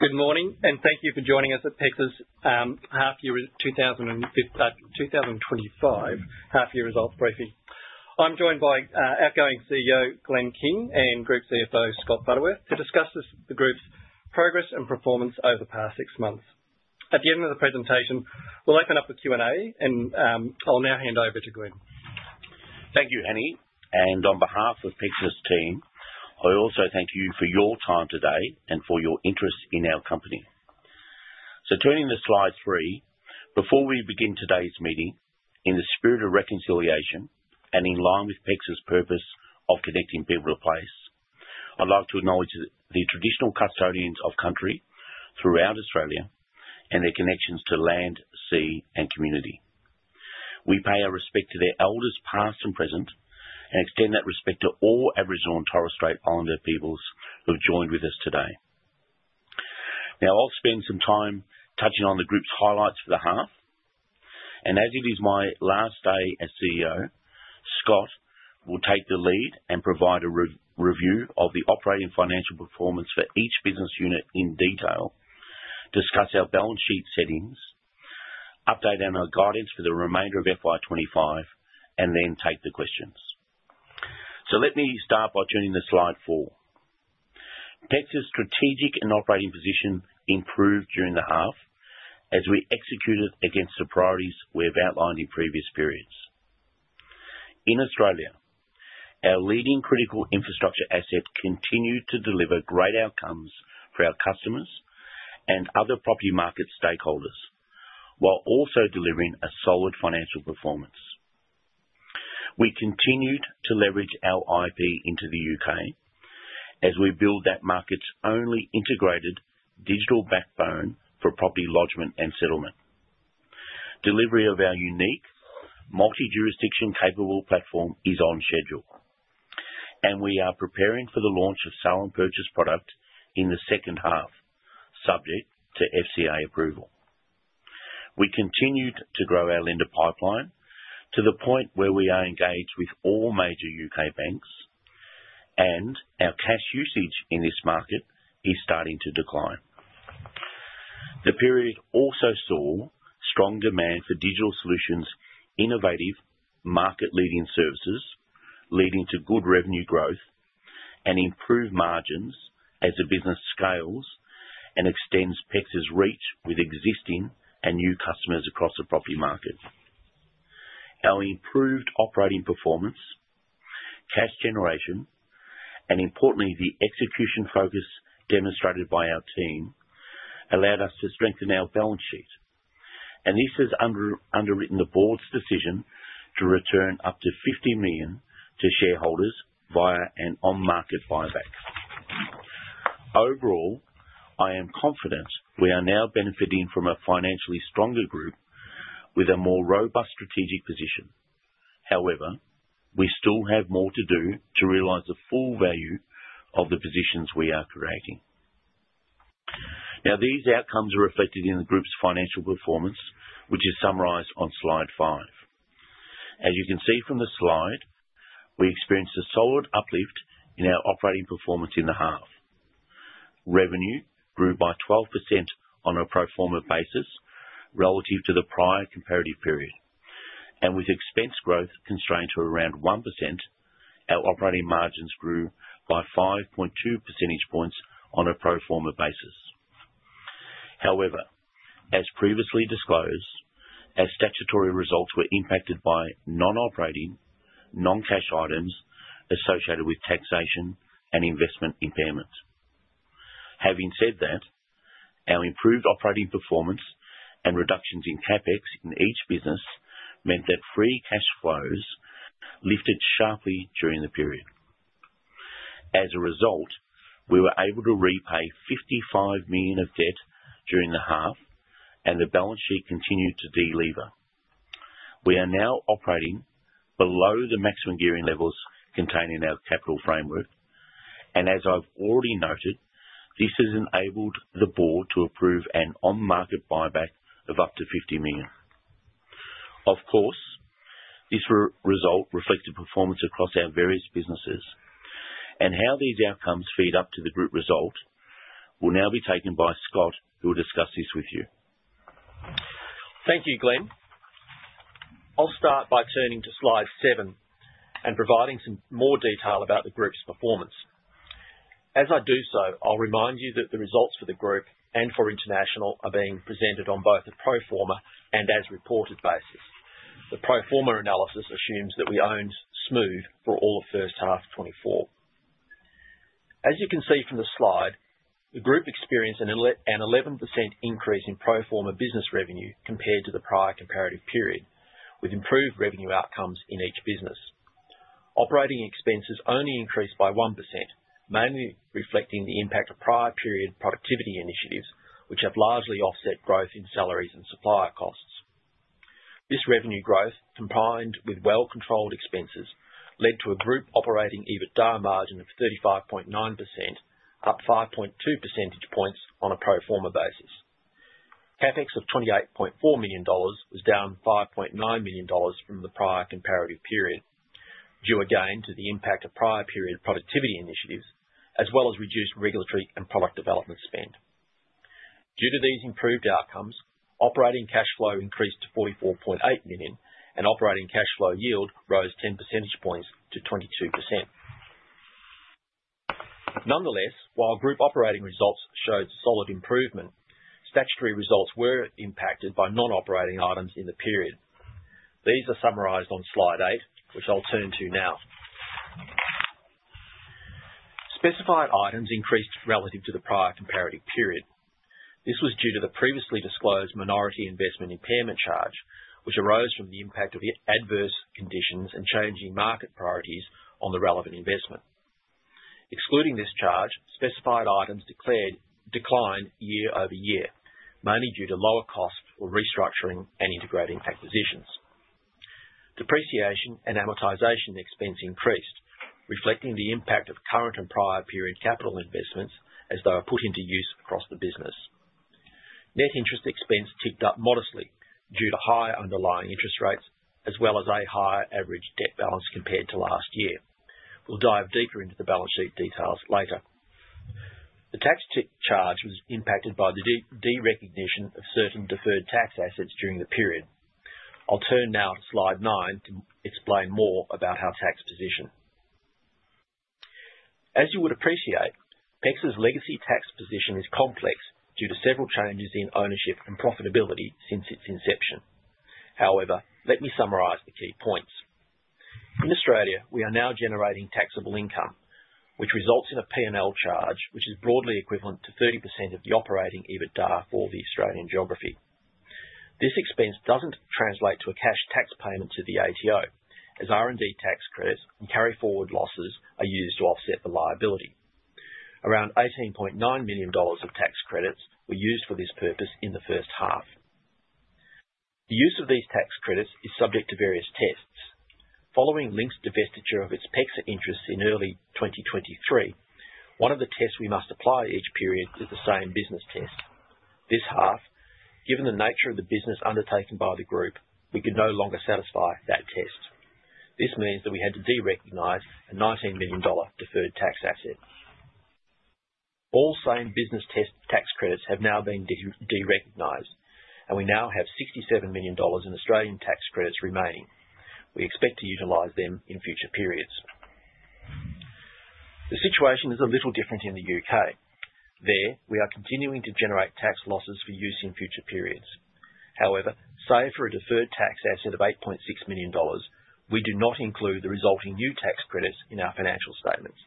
Good morning, and thank you for joining us at PEXA's half-year 2025 half-year results briefing. I'm joined by outgoing CEO Glenn King and Group CFO Scott Butterworth to discuss the group's progress and performance over the past six months. At the end of the presentation, we'll open up the Q&A, and I'll now hand over to Glenn. Thank you, Hany. On behalf of PEXA's team, I also thank you for your time today and for your interest in our company. Turning to slide three, before we begin today's meeting, in the spirit of reconciliation and in line with PEXA's purpose of connecting people of place, I'd like to acknowledge the traditional custodians of country throughout Australia and their connections to land, sea, and community. We pay our respect to their elders past and present, and extend that respect to all Aboriginal and Torres Strait Islander peoples who have joined with us today. Now, I'll spend some time touching on the group's highlights for the half. As it is my last day as CEO, Scott will take the lead and provide a review of the operating financial performance for each business unit in detail, discuss our balance sheet settings, update our guidance for the remainder of FY25, and then take the questions. Let me start by turning to slide four. PEXA's strategic and operating position improved during the half as we executed against the priorities we have outlined in previous periods. In Australia, our leading critical infrastructure asset continued to deliver great outcomes for our customers and other property market stakeholders while also delivering a solid financial performance. We continued to leverage our IP into the U.K. as we build that market's only integrated digital backbone for property lodgement and settlement. Delivery of our unique multi-jurisdiction capable platform is on schedule, and we are preparing for the launch of sale and purchase product in the second half, subject to FCA approval. We continued to grow our lender pipeline to the point where we are engaged with all major U.K. banks, and our cash usage in this market is starting to decline. The period also saw strong demand for digital solutions, innovative, market-leading services, leading to good revenue growth and improved margins as the business scales and extends PEXA's reach with existing and new customers across the property market. Our improved operating performance, cash generation, and importantly, the execution focus demonstrated by our team allowed us to strengthen our balance sheet, and this has underwritten the board's decision to return up to 50 million to shareholders via an on-market buyback. Overall, I am confident we are now benefiting from a financially stronger group with a more robust strategic position. However, we still have more to do to realize the full value of the positions we are creating. Now, these outcomes are reflected in the group's financial performance, which is summarized on slide five. As you can see from the slide, we experienced a solid uplift in our operating performance in the half. Revenue grew by 12% on a pro forma basis relative to the prior comparative period, and with expense growth constrained to around 1%, our operating margins grew by 5.2 percentage points on a pro forma basis. However, as previously disclosed, our statutory results were impacted by non-operating, non-cash items associated with taxation and investment impairment. Having said that, our improved operating performance and reductions in CapEx in each business meant that free cash flows lifted sharply during the period. As a result, we were able to repay 55 million of debt during the half, and the balance sheet continued to deliver. We are now operating below the maximum gearing levels contained in our capital framework, and as I've already noted, this has enabled the board to approve an on-market buyback of up to 50 million. Of course, this result reflects the performance across our various businesses, and how these outcomes feed up to the group result will now be taken by Scott, who will discuss this with you. Thank you, Glenn. I'll start by turning to slide seven and providing some more detail about the group's performance. As I do so, I'll remind you that the results for the group and for international are being presented on both a pro forma and as-reported basis. The pro forma analysis assumes that we owned Smoove for all of first half 2024. As you can see from the slide, the group experienced an 11% increase in pro forma business revenue compared to the prior comparative period, with improved revenue outcomes in each business. Operating expenses only increased by 1%, mainly reflecting the impact of prior period productivity initiatives, which have largely offset growth in salaries and supplier costs. This revenue growth, combined with well-controlled expenses, led to a group operating EBITDA margin of 35.9%, up 5.2 percentage points on a pro forma basis. CapEx of 28.4 million dollars was down 5.9 million dollars from the prior comparative period, due again to the impact of prior period productivity initiatives, as well as reduced regulatory and product development spend. Due to these improved outcomes, operating cash flow increased to 44.8 million, and operating cash flow yield rose 10 percentage points to 22%. Nonetheless, while group operating results showed solid improvement, statutory results were impacted by non-operating items in the period. These are summarized on slide eight, which I'll turn to now. Specified items increased relative to the prior comparative period. This was due to the previously disclosed minority investment impairment charge, which arose from the impact of adverse conditions and changing market priorities on the relevant investment. Excluding this charge, specified items declined year over year, mainly due to lower costs for restructuring and integrating acquisitions. Depreciation and amortization expense increased, reflecting the impact of current and prior period capital investments as they were put into use across the business. Net interest expense ticked up modestly due to higher underlying interest rates, as well as a higher average debt balance compared to last year. We'll dive deeper into the balance sheet details later. The tax charge was impacted by the derecognition of certain deferred tax assets during the period. I'll turn now to slide nine to explain more about our tax position. As you would appreciate, PEXA's legacy tax position is complex due to several changes in ownership and profitability since its inception. However, let me summarize the key points. In Australia, we are now generating taxable income, which results in a P&L charge, which is broadly equivalent to 30% of the operating EBITDA for the Australian geography. This expense doesn't translate to a cash tax payment to the ATO, as R&D tax credits and carry-forward losses are used to offset the liability. Around 18.9 million dollars of tax credits were used for this purpose in the first half. The use of these tax credits is subject to various tests. Following Link's divestiture of its PEXA interests in early 2023, one of the tests we must apply each period is the same business test. This half, given the nature of the business undertaken by the group, we could no longer satisfy that test. This means that we had to derecognize a AUD 19 million deferred tax asset. All same business tax credits have now been derecognized, and we now have 67 million dollars in Australian tax credits remaining. We expect to utilize them in future periods. The situation is a little different in the U.K. There, we are continuing to generate tax losses for use in future periods. However, say for a deferred tax asset of 8.6 million dollars, we do not include the resulting new tax credits in our financial statements.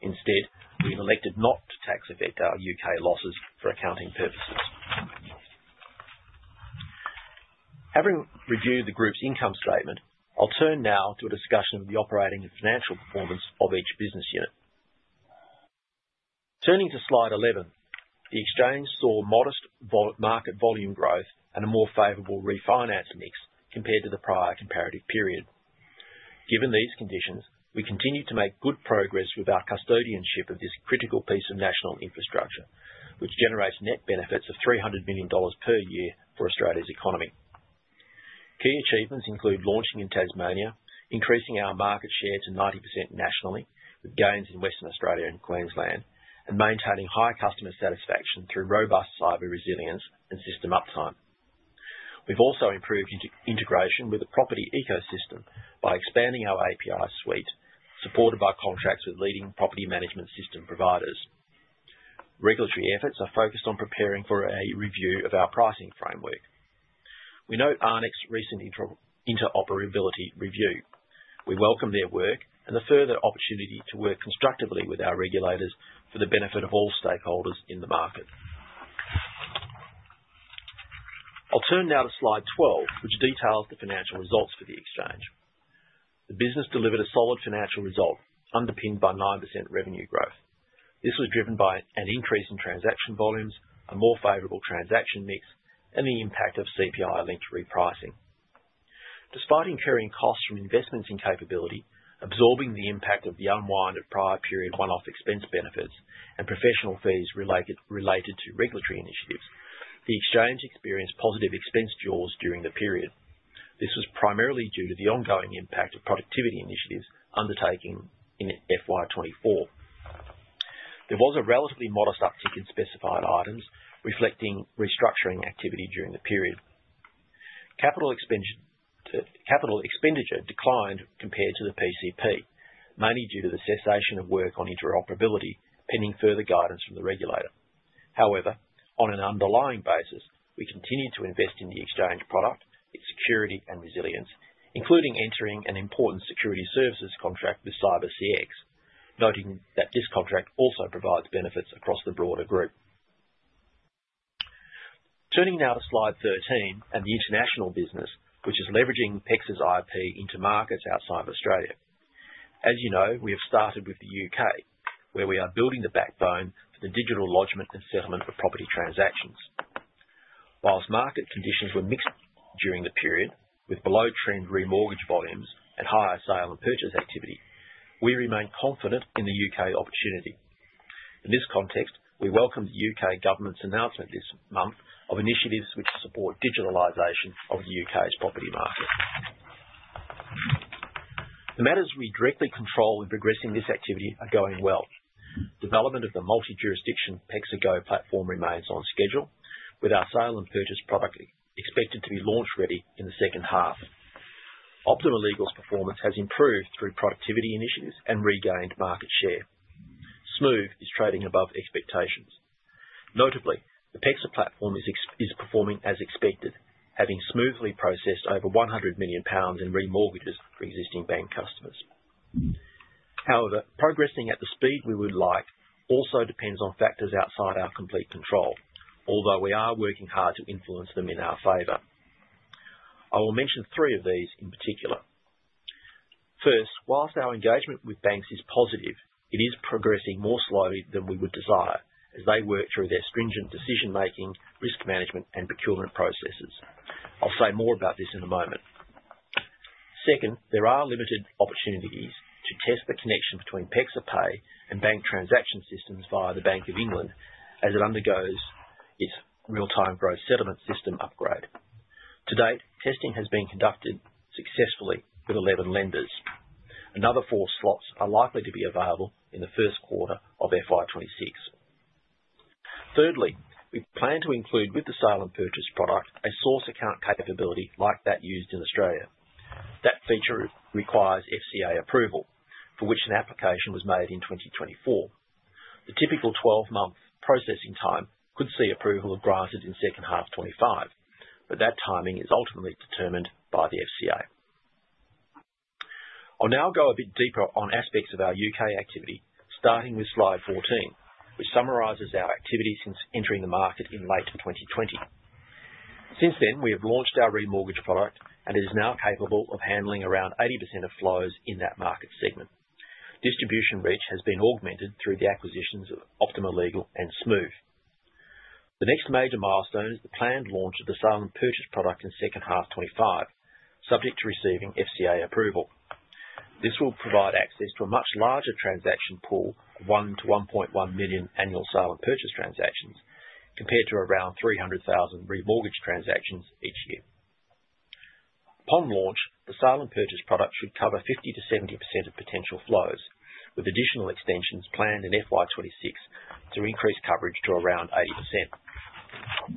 Instead, we have elected not to tax effect our U.K. losses for accounting purposes. Having reviewed the group's income statement, I'll turn now to a discussion of the operating and financial performance of each business unit. Turning to slide 11, the exchange saw modest market volume growth and a more favorable refinance mix compared to the prior comparative period. Given these conditions, we continue to make good progress with our custodianship of this critical piece of national infrastructure, which generates net benefits of 300 million dollars per year for Australia's economy. Key achievements include launching in Tasmania, increasing our market share to 90% nationally, with gains in Western Australia and Queensland, and maintaining high customer satisfaction through robust cyber resilience and system uptime. We've also improved integration with the property ecosystem by expanding our API suite, supported by contracts with leading property management system providers. Regulatory efforts are focused on preparing for a review of our pricing framework. We note ARNECC's recent interoperability review. We welcome their work and the further opportunity to work constructively with our regulators for the benefit of all stakeholders in the market. I'll turn now to slide 12, which details the financial results for the exchange. The business delivered a solid financial result, underpinned by 9% revenue growth. This was driven by an increase in transaction volumes, a more favorable transaction mix, and the impact of CPI-linked repricing. Despite incurring costs from investments in capability, absorbing the impact of the unwind of prior period one-off expense benefits and professional fees related to regulatory initiatives, the exchange experienced positive expense duels during the period. This was primarily due to the ongoing impact of productivity initiatives undertaking in FY24. There was a relatively modest uptick in specified items, reflecting restructuring activity during the period. Capital expenditure declined compared to the PCP, mainly due to the cessation of work on interoperability, pending further guidance from the regulator. However, on an underlying basis, we continued to invest in the exchange product, its security, and resilience, including entering an important security services contract with CyberCX, noting that this contract also provides benefits across the broader group. Turning now to slide 13 and the international business, which is leveraging PEXA's IP into markets outside of Australia. As you know, we have started with the U.K., where we are building the backbone for the digital lodgement and settlement of property transactions. Whilst market conditions were mixed during the period, with below-trend remortgage volumes and higher sale and purchase activity, we remain confident in the U.K. opportunity. In this context, we welcome the U.K. government's announcement this month of initiatives which support digitalization of the U.K.'s property market. The matters we directly control in progressing this activity are going well. Development of the multi-jurisdiction PEXAGO platform remains on schedule, with our sale and purchase product expected to be launch ready in the second half. Optima Legal's performance has improved through productivity initiatives and regained market share. Smoove is trading above expectations. Notably, the PEXA platform is performing as expected, having smoothly processed over 100 million pounds in remortgages for existing bank customers. However, progressing at the speed we would like also depends on factors outside our complete control, although we are working hard to influence them in our favor. I will mention three of these in particular. First, whilst our engagement with banks is positive, it is progressing more slowly than we would desire, as they work through their stringent decision-making, risk management, and procurement processes. I'll say more about this in a moment. Second, there are limited opportunities to test the connection between PEXAPAY and bank transaction systems via the Bank of England, as it undergoes its real-time gross settlement system upgrade. To date, testing has been conducted successfully with 11 lenders. Another four slots are likely to be available in the first quarter of FY2026. Thirdly, we plan to include with the sale and purchase product a source account capability like that used in Australia. That feature requires FCA approval, for which an application was made in 2024. The typical 12-month processing time could see approval granted in second half 2025, but that timing is ultimately determined by the FCA. I'll now go a bit deeper on aspects of our U.K. activity, starting with slide 14, which summarizes our activity since entering the market in late 2020. Since then, we have launched our remortgage product, and it is now capable of handling around 80% of flows in that market segment. Distribution reach has been augmented through the acquisitions of Optima Legal and Smoove. The next major milestone is the planned launch of the sale and purchase product in second half 2025, subject to receiving FCA approval. This will provide access to a much larger transaction pool of 1-1.1 million annual sale and purchase transactions, compared to around 300,000 remortgage transactions each year. Upon launch, the sale and purchase product should cover 50-70% of potential flows, with additional extensions planned in FY2026 to increase coverage to around 80%.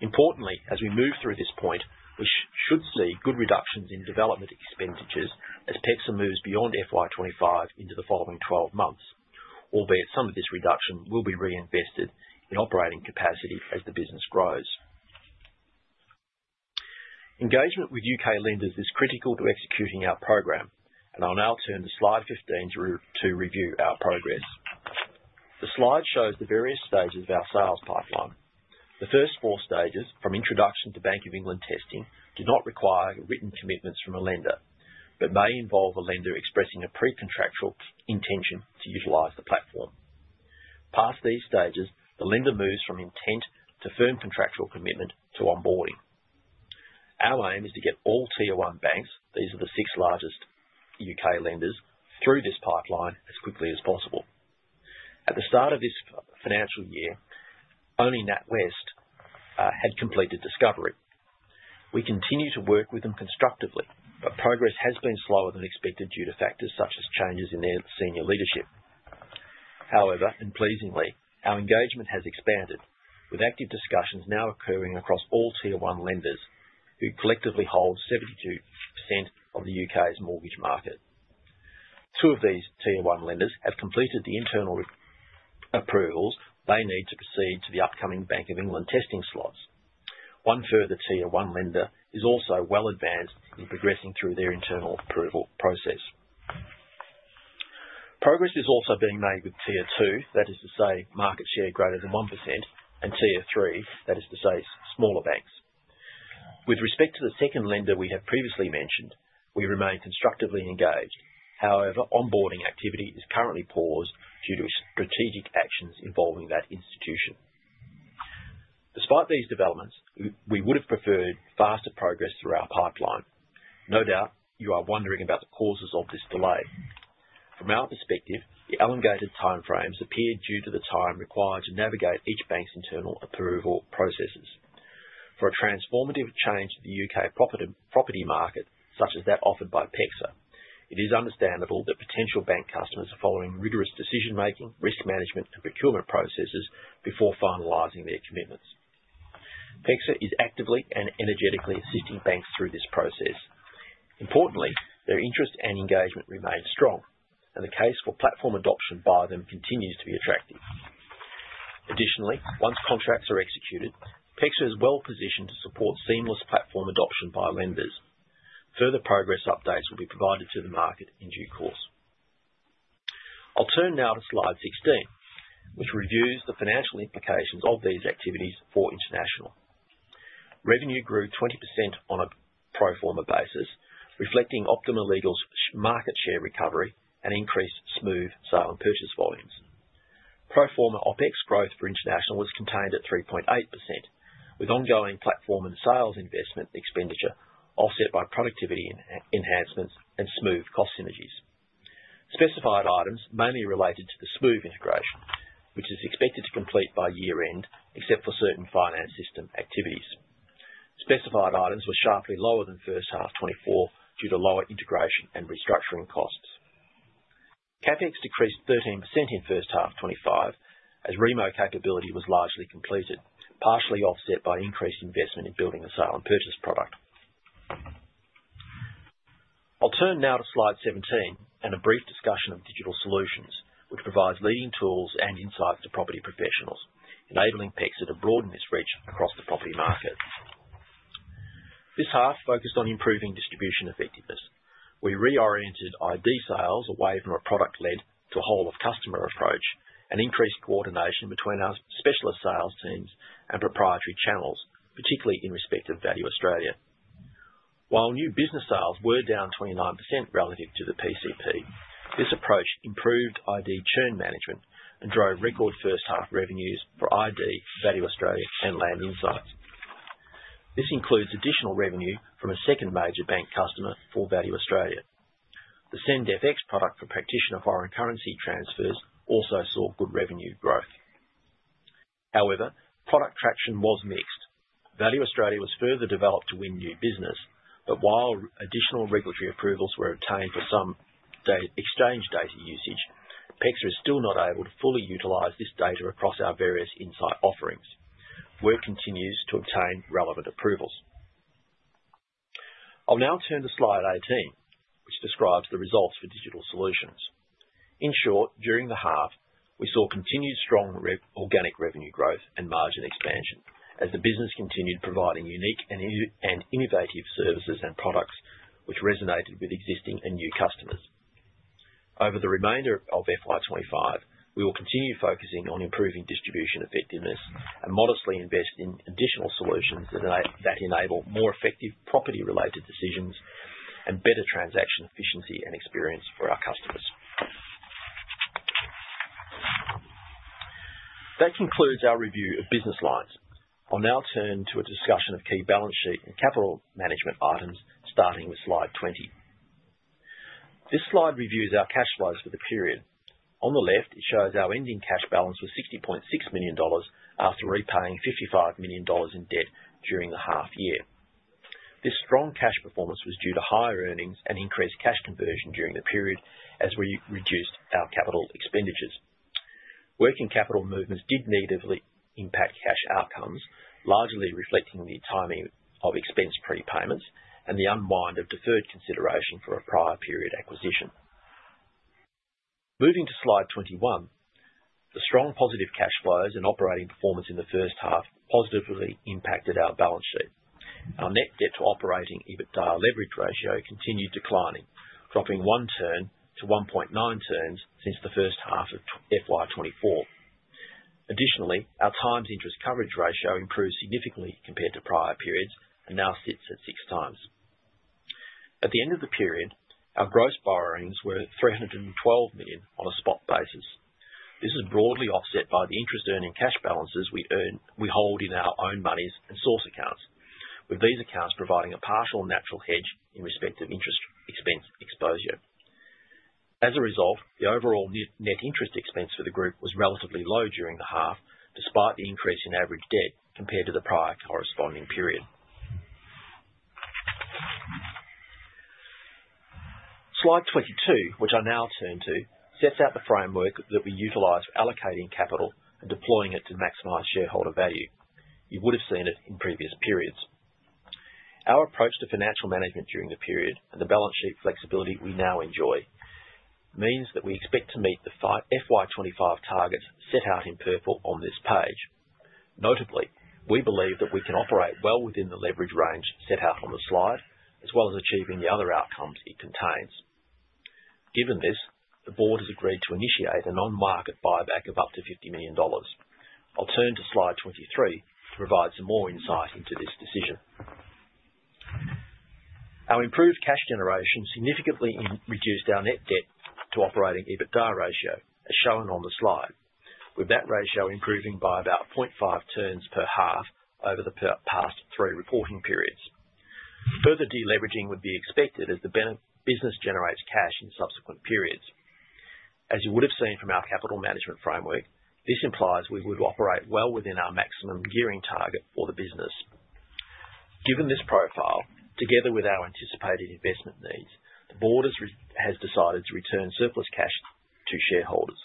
Importantly, as we move through this point, we should see good reductions in development expenditures as PEXA moves beyond FY2025 into the following 12 months, albeit some of this reduction will be reinvested in operating capacity as the business grows. Engagement with U.K. lenders is critical to executing our program, and I'll now turn to slide 15 to review our progress. The slide shows the various stages of our sales pipeline. The first four stages, from introduction to Bank of England testing, do not require written commitments from a lender, but may involve a lender expressing a pre-contractual intention to utilize the platform. Past these stages, the lender moves from intent to firm contractual commitment to onboarding. Our aim is to get all tier one banks—these are the six largest U.K. lenders—through this pipeline as quickly as possible. At the start of this financial year, only NatWest had completed discovery. We continue to work with them constructively, but progress has been slower than expected due to factors such as changes in their senior leadership. However, and pleasingly, our engagement has expanded, with active discussions now occurring across all tier one lenders who collectively hold 72% of the U.K.'s mortgage market. Two of these tier one lenders have completed the internal approvals they need to proceed to the upcoming Bank of England testing slots. One further tier one lender is also well advanced in progressing through their internal approval process. Progress is also being made with tier two—that is to say, market share greater than 1%—and tier three—that is to say, smaller banks. With respect to the second lender we have previously mentioned, we remain constructively engaged. However, onboarding activity is currently paused due to strategic actions involving that institution. Despite these developments, we would have preferred faster progress through our pipeline. No doubt, you are wondering about the causes of this delay. From our perspective, the elongated timeframes appear due to the time required to navigate each bank's internal approval processes. For a transformative change to the U.K. property market, such as that offered by PEXA, it is understandable that potential bank customers are following rigorous decision-making, risk management, and procurement processes before finalizing their commitments. PEXA is actively and energetically assisting banks through this process. Importantly, their interest and engagement remain strong, and the case for platform adoption by them continues to be attractive. Additionally, once contracts are executed, PEXA is well positioned to support seamless platform adoption by lenders. Further progress updates will be provided to the market in due course. I'll turn now to slide 16, which reviews the financial implications of these activities for international. Revenue grew 20% on a pro forma basis, reflecting Optima Legal's market share recovery and increased Smoove sale and purchase volumes. Pro forma OPEX growth for international was contained at 3.8%, with ongoing platform and sales investment expenditure offset by productivity enhancements and Smoove cost synergies. Specified items mainly related to the Smoove integration, which is expected to complete by year-end, except for certain finance system activities. Specified items were sharply lower than first half 2024 due to lower integration and restructuring costs. CapEx decreased 13% in first half 2025 as remote capability was largely completed, partially offset by increased investment in building the sale and purchase product. I'll turn now to slide 17 and a brief discussion of digital solutions, which provides leading tools and insights to property professionals, enabling PEXA to broaden this reach across the property market. This half focused on improving distribution effectiveness. We reoriented ID sales away from a product-led to a whole-of-customer approach and increased coordination between our specialist sales teams and proprietary channels, particularly in respect of Value Australia. While new business sales were down 29% relative to the PCP, this approach improved ID churn management and drove record first half revenues for ID, Value Australia, and Land Insights. This includes additional revenue from a second major bank customer for Value Australia. The SendFX product for practitioner foreign currency transfers also saw good revenue growth. However, product traction was mixed. Value Australia was further developed to win new business, but while additional regulatory approvals were obtained for some exchange data usage, PEXA is still not able to fully utilize this data across our various insight offerings. Work continues to obtain relevant approvals. I'll now turn to slide 18, which describes the results for digital solutions. In short, during the half, we saw continued strong organic revenue growth and margin expansion as the business continued providing unique and innovative services and products which resonated with existing and new customers. Over the remainder of FY2025, we will continue focusing on improving distribution effectiveness and modestly invest in additional solutions that enable more effective property-related decisions and better transaction efficiency and experience for our customers. That concludes our review of business lines. I'll now turn to a discussion of key balance sheet and capital management items, starting with slide 20. This slide reviews our cash flows for the period. On the left, it shows our ending cash balance was 60.6 million dollars after repaying 55 million dollars in debt during the half year. This strong cash performance was due to higher earnings and increased cash conversion during the period as we reduced our capital expenditures. Working capital movements did negatively impact cash outcomes, largely reflecting the timing of expense prepayments and the unwind of deferred consideration for a prior period acquisition. Moving to slide 21, the strong positive cash flows and operating performance in the first half positively impacted our balance sheet. Our net debt to operating leverage ratio continued declining, dropping one turn to 1.9 turns since the first half of FY2024. Additionally, our times interest coverage ratio improved significantly compared to prior periods and now sits at six times. At the end of the period, our gross borrowings were 312 million on a spot basis. This is broadly offset by the interest-earning cash balances we hold in our own monies and source accounts, with these accounts providing a partial natural hedge in respect of interest expense exposure. As a result, the overall net interest expense for the group was relatively low during the half, despite the increase in average debt compared to the prior corresponding period. Slide 22, which I now turn to, sets out the framework that we utilize for allocating capital and deploying it to maximize shareholder value. You would have seen it in previous periods. Our approach to financial management during the period and the balance sheet flexibility we now enjoy means that we expect to meet the FY2025 targets set out in purple on this page. Notably, we believe that we can operate well within the leverage range set out on the slide, as well as achieving the other outcomes it contains. Given this, the board has agreed to initiate an on-market buyback of up to 50 million dollars. I'll turn to slide 23 to provide some more insight into this decision. Our improved cash generation significantly reduced our net debt to operating EBITDA ratio, as shown on the slide, with that ratio improving by about 0.5 turns per half over the past three reporting periods. Further deleveraging would be expected as the business generates cash in subsequent periods. As you would have seen from our capital management framework, this implies we would operate well within our maximum gearing target for the business. Given this profile, together with our anticipated investment needs, the board has decided to return surplus cash to shareholders.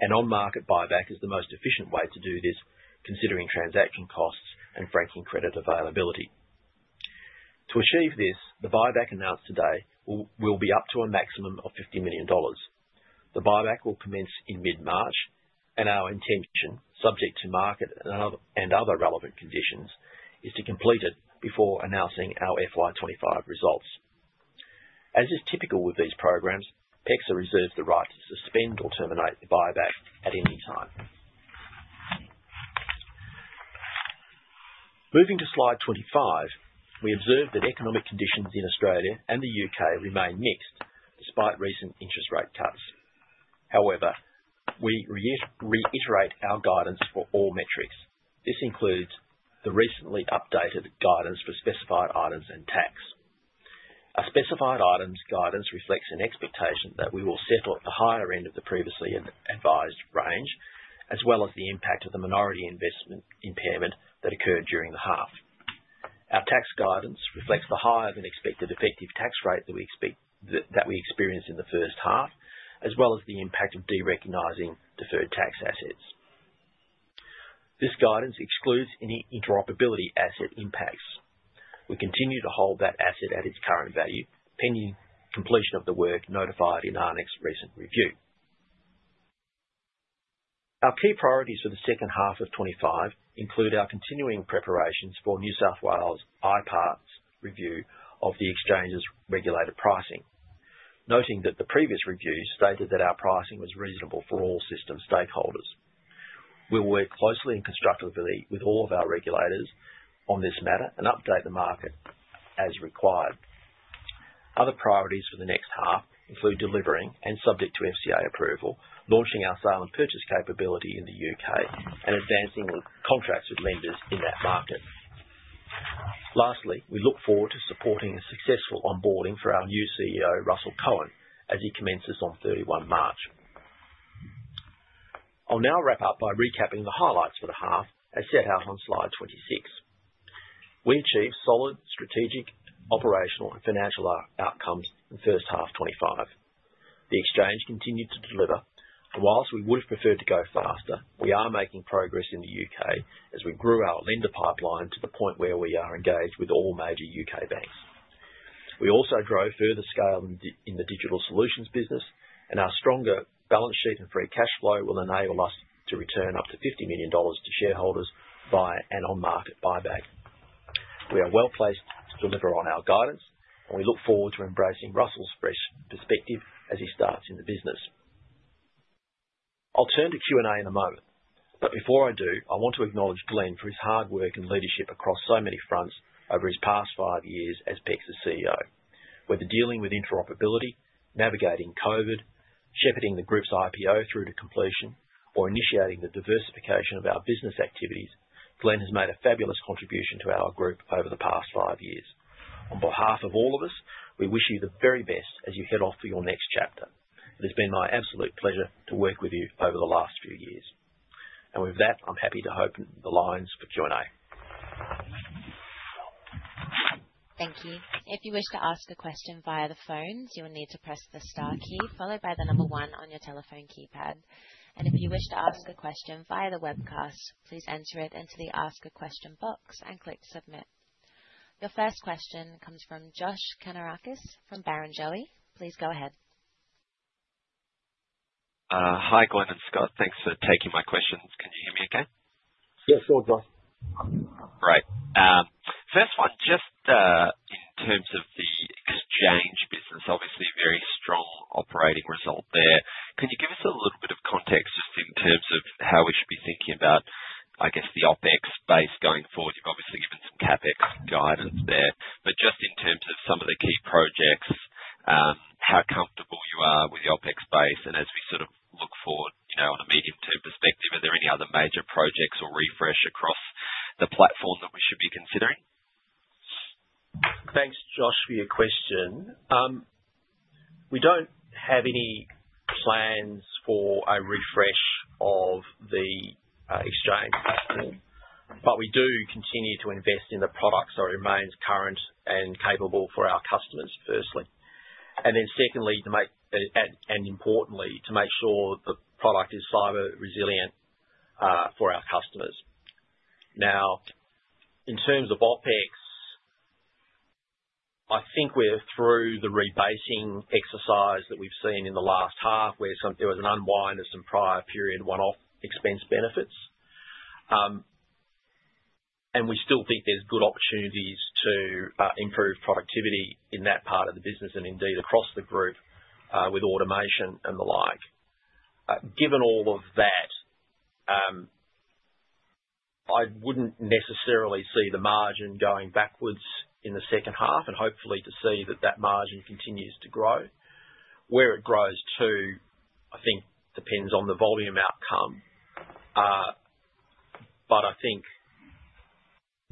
An on-market buyback is the most efficient way to do this, considering transaction costs and franking credit availability. To achieve this, the buyback announced today will be up to a maximum of 50 million dollars. The buyback will commence in mid-March, and our intention, subject to market and other relevant conditions, is to complete it before announcing our FY2025 results. As is typical with these programs, PEXA reserves the right to suspend or terminate the buyback at any time. Moving to slide 25, we observe that economic conditions in Australia and the U.K. remain mixed despite recent interest rate cuts. However, we reiterate our guidance for all metrics. This includes the recently updated guidance for specified items and tax. Our specified items guidance reflects an expectation that we will settle at the higher end of the previously advised range, as well as the impact of the minority investment impairment that occurred during the half. Our tax guidance reflects the higher-than-expected effective tax rate that we experience in the first half, as well as the impact of derecognizing deferred tax assets. This guidance excludes any interoperability asset impacts. We continue to hold that asset at its current value, pending completion of the work notified in our next recent review. Our key priorities for the second half of 2025 include our continuing preparations for New South Wales IPART's review of the exchange's regulated pricing, noting that the previous review stated that our pricing was reasonable for all system stakeholders. We will work closely and constructively with all of our regulators on this matter and update the market as required. Other priorities for the next half include delivering, and subject to FCA approval, launching our sale and purchase capability in the U.K. and advancing contracts with lenders in that market. Lastly, we look forward to supporting a successful onboarding for our new CEO, Russell Cohen, as he commences on 31 March. I'll now wrap up by recapping the highlights for the half as set out on slide 26. We achieved solid strategic, operational, and financial outcomes in first half 2025. The exchange continued to deliver, and whilst we would have preferred to go faster, we are making progress in the U.K. as we grew our lender pipeline to the point where we are engaged with all major U.K. banks. We also drove further scale in the digital solutions business, and our stronger balance sheet and free cash flow will enable us to return up to 50 million dollars to shareholders via an on-market buyback. We are well placed to deliver on our guidance, and we look forward to embracing Russell's perspective as he starts in the business. I'll turn to Q&A in a moment, but before I do, I want to acknowledge Glenn for his hard work and leadership across so many fronts over his past five years as PEXA's CEO. Whether dealing with interoperability, navigating COVID, shepherding the group's IPO through to completion, or initiating the diversification of our business activities, Glenn has made a fabulous contribution to our group over the past five years. On behalf of all of us, we wish you the very best as you head off to your next chapter. It has been my absolute pleasure to work with you over the last few years. With that, I'm happy to open the lines for Q&A. Thank you. If you wish to ask a question via the phone, you will need to press the star key followed by the number one on your telephone keypad. If you wish to ask a question via the webcast, please enter it into the Ask a Question box and click Submit. Your first question comes from Josh Kannarakis from Barrenjoey. Please go ahead. Hi, Glenn and Scott. Thanks for taking my questions. Can you hear me okay? Yeah, sure, Josh. Great. First one, just in terms of the exchange business, obviously a very strong operating result there. Can you give us a little bit of context just in terms of how we should be thinking about, I guess, the OPEX space going forward? You've obviously given some CapEx guidance there. Just in terms of some of the key projects, how comfortable you are with the OPEX space, and as we sort of look forward on a medium-term perspective, are there any other major projects or refresh across the platform that we should be considering? Thanks, Josh, for your question. We don't have any plans for a refresh of the exchange platform, but we do continue to invest in the products that remain current and capable for our customers, firstly. Secondly, and importantly, to make sure the product is cyber-resilient for our customers. Now, in terms of OPEX, I think we're through the rebasing exercise that we've seen in the last half where there was an unwind of some prior period one-off expense benefits. We still think there's good opportunities to improve productivity in that part of the business and indeed across the group with automation and the like. Given all of that, I wouldn't necessarily see the margin going backwards in the second half, and hopefully to see that that margin continues to grow. Where it grows to, I think, depends on the volume outcome. I think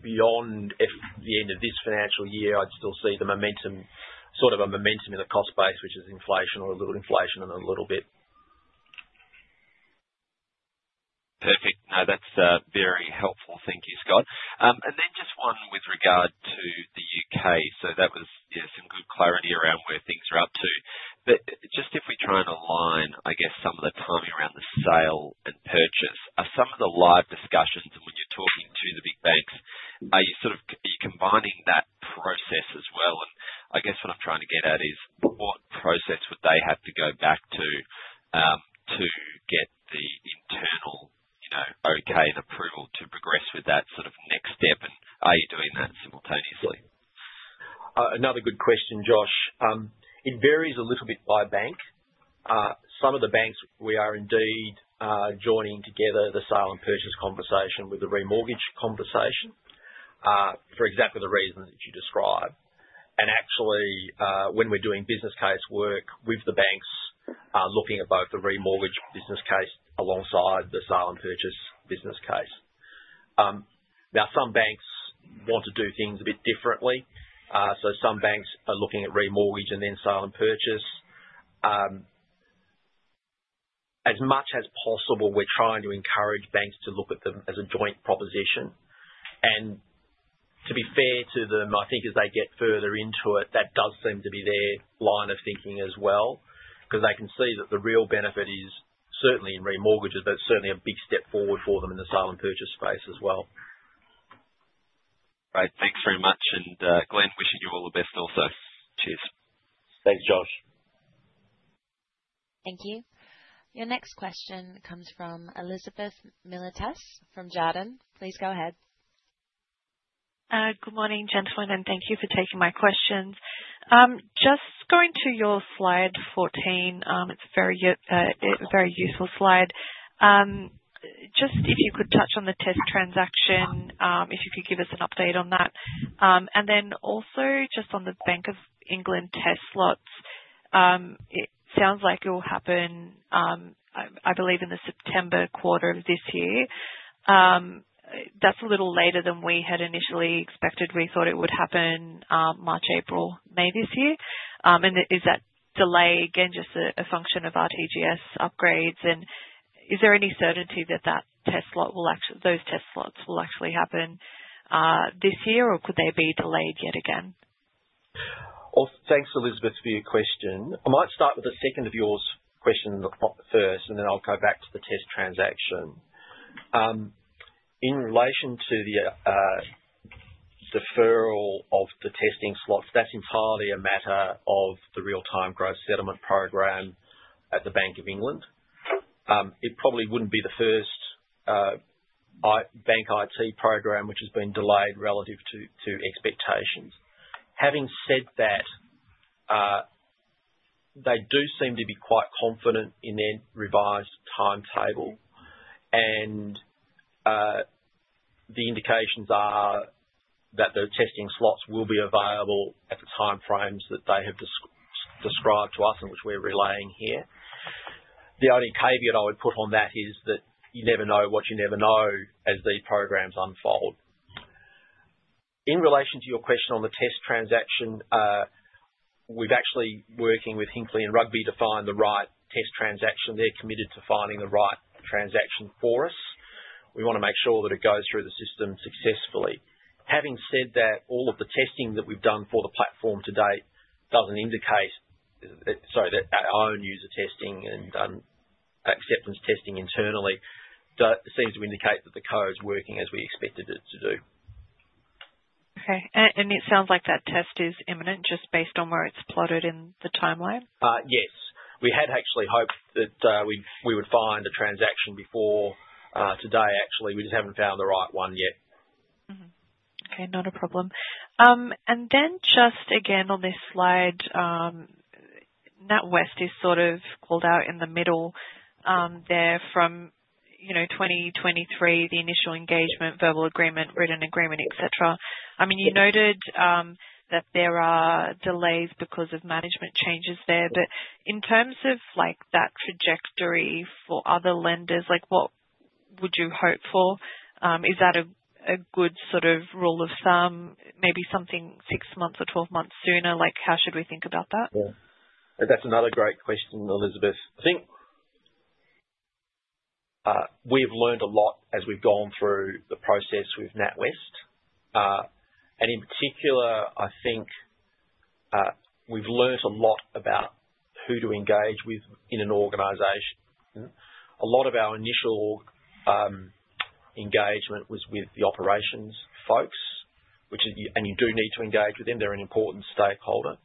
beyond the end of this financial year, I'd still see sort of a momentum in the cost base, which is inflation or a little inflation and a little bit. Perfect. No, that's very helpful. Thank you, Scott. Just one with regard to the U.K. That was some good clarity around where things are up to. If we try and align, I guess, some of the timing around the sale and purchase, some of the live discussions and when you're talking to the big banks, are you combining that process as well? I guess what I'm trying to get at is what process would they have to go back to to get the internal okay and approval to progress with that sort of next step? Are you doing that simultaneously? Another good question, Josh. It varies a little bit by bank. Some of the banks, we are indeed joining together the sale and purchase conversation with the remortgage conversation for exactly the reasons that you described. Actually, when we're doing business case work with the banks, looking at both the remortgage business case alongside the sale and purchase business case. Now, some banks want to do things a bit differently. Some banks are looking at remortgage and then sale and purchase. As much as possible, we're trying to encourage banks to look at them as a joint proposition. To be fair to them, I think as they get further into it, that does seem to be their line of thinking as well, because they can see that the real benefit is certainly in remortgages, but it's certainly a big step forward for them in the sale and purchase space as well. Great. Thanks very much. Glenn, wishing you all the best also. Cheers. Thanks, Josh. Thank you. Your next question comes from Elizabeth Milites from Jarden. Please go ahead. Good morning, gentlemen, and thank you for taking my questions. Just going to your slide 14, it's a very useful slide. If you could touch on the test transaction, if you could give us an update on that. Also, just on the Bank of England test slots, it sounds like it will happen, I believe, in the September quarter of this year. That's a little later than we had initially expected. We thought it would happen March, April, May this year. Is that delay again just a function of our TGS upgrades? Is there any certainty that those test slots will actually happen this year, or could they be delayed yet again? Thanks, Elizabeth, for your question. I might start with the second of your questions first, and then I'll go back to the test transaction. In relation to the deferral of the testing slots, that's entirely a matter of the real-time gross settlement program at the Bank of England. It probably wouldn't be the first bank IT program which has been delayed relative to expectations. Having said that, they do seem to be quite confident in their revised timetable, and the indications are that the testing slots will be available at the timeframes that they have described to us and which we're relaying here. The only caveat I would put on that is that you never know what you never know as these programs unfold. In relation to your question on the test transaction, we've actually been working with Hinckley & Rugby to find the right test transaction. They're committed to finding the right transaction for us. We want to make sure that it goes through the system successfully. Having said that, all of the testing that we've done for the platform to date doesn't indicate that our own user testing and acceptance testing internally seems to indicate that the code's working as we expected it to do. Okay. It sounds like that test is imminent just based on where it's plotted in the timeline? Yes. We had actually hoped that we would find a transaction before today, actually. We just haven't found the right one yet. Okay. Not a problem. Then just again on this slide, NatWest is sort of called out in the middle there from 2023, the initial engagement, verbal agreement, written agreement, etc. I mean, you noted that there are delays because of management changes there. In terms of that trajectory for other lenders, what would you hope for? Is that a good sort of rule of thumb, maybe something six months or twelve months sooner? How should we think about that? Yeah. That's another great question, Elizabeth. I think we've learned a lot as we've gone through the process with NatWest. In particular, I think we've learned a lot about who to engage with in an organization. A lot of our initial engagement was with the operations folks, and you do need to engage with them. They're an important stakeholder.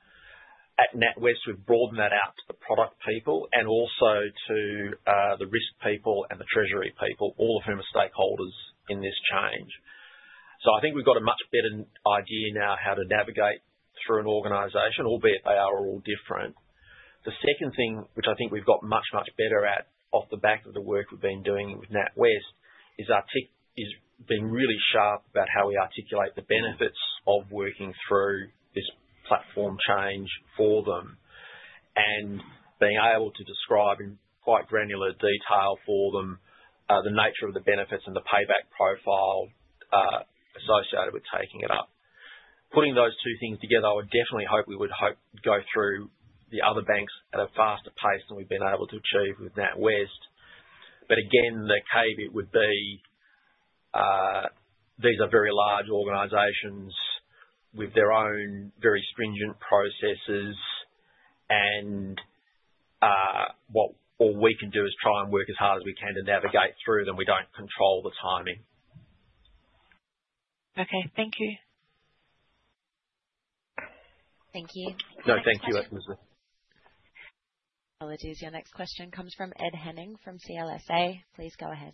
At NatWest, we've broadened that out to the product people and also to the risk people and the treasury people, all of whom are stakeholders in this change. I think we've got a much better idea now how to navigate through an organization, albeit they are all different. The second thing, which I think we've got much, much better at off the back of the work we've been doing with NatWest, is being really sharp about how we articulate the benefits of working through this platform change for them and being able to describe in quite granular detail for them the nature of the benefits and the payback profile associated with taking it up. Putting those two things together, I would definitely hope we would go through the other banks at a faster pace than we've been able to achieve with NatWest. Again, the caveat would be these are very large organizations with their own very stringent processes, and what we can do is try and work as hard as we can to navigate through them. We don't control the timing. Okay. Thank you. Thank you. No, thank you, Elizabeth. Apologies. Your next question comes from Ed Henning from CLSA. Please go ahead.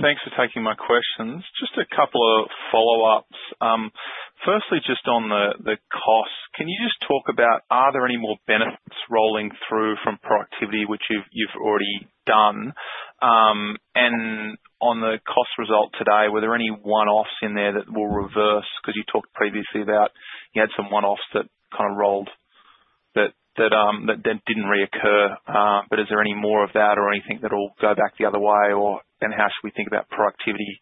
Thanks for taking my questions. Just a couple of follow-ups. Firstly, just on the costs, can you just talk about are there any more benefits rolling through from productivity, which you've already done? On the cost result today, were there any one-offs in there that will reverse? You talked previously about you had some one-offs that kind of rolled that did not reoccur. Is there any more of that or anything that will go back the other way? How should we think about productivity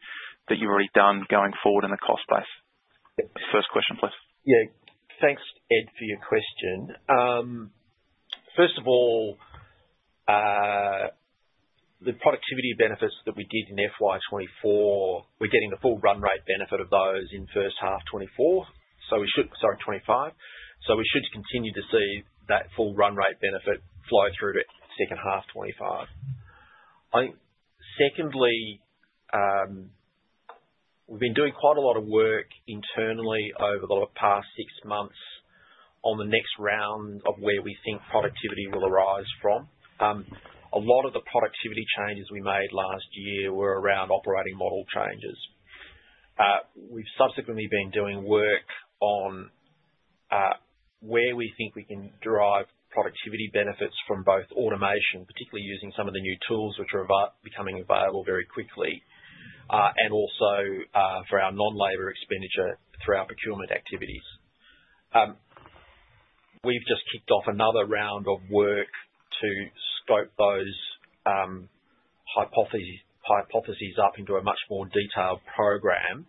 that you've already done going forward in the cost space? First question, please. Yeah. Thanks, Ed, for your question. First of all, the productivity benefits that we did in FY 2024, we're getting the full run rate benefit of those in first half 2025, sorry, 2025. We should continue to see that full run rate benefit flow through to second half 2025. Secondly, we've been doing quite a lot of work internally over the past six months on the next round of where we think productivity will arise from. A lot of the productivity changes we made last year were around operating model changes. We've subsequently been doing work on where we think we can derive productivity benefits from both automation, particularly using some of the new tools which are becoming available very quickly, and also for our non-labor expenditure through our procurement activities. We've just kicked off another round of work to scope those hypotheses up into a much more detailed program.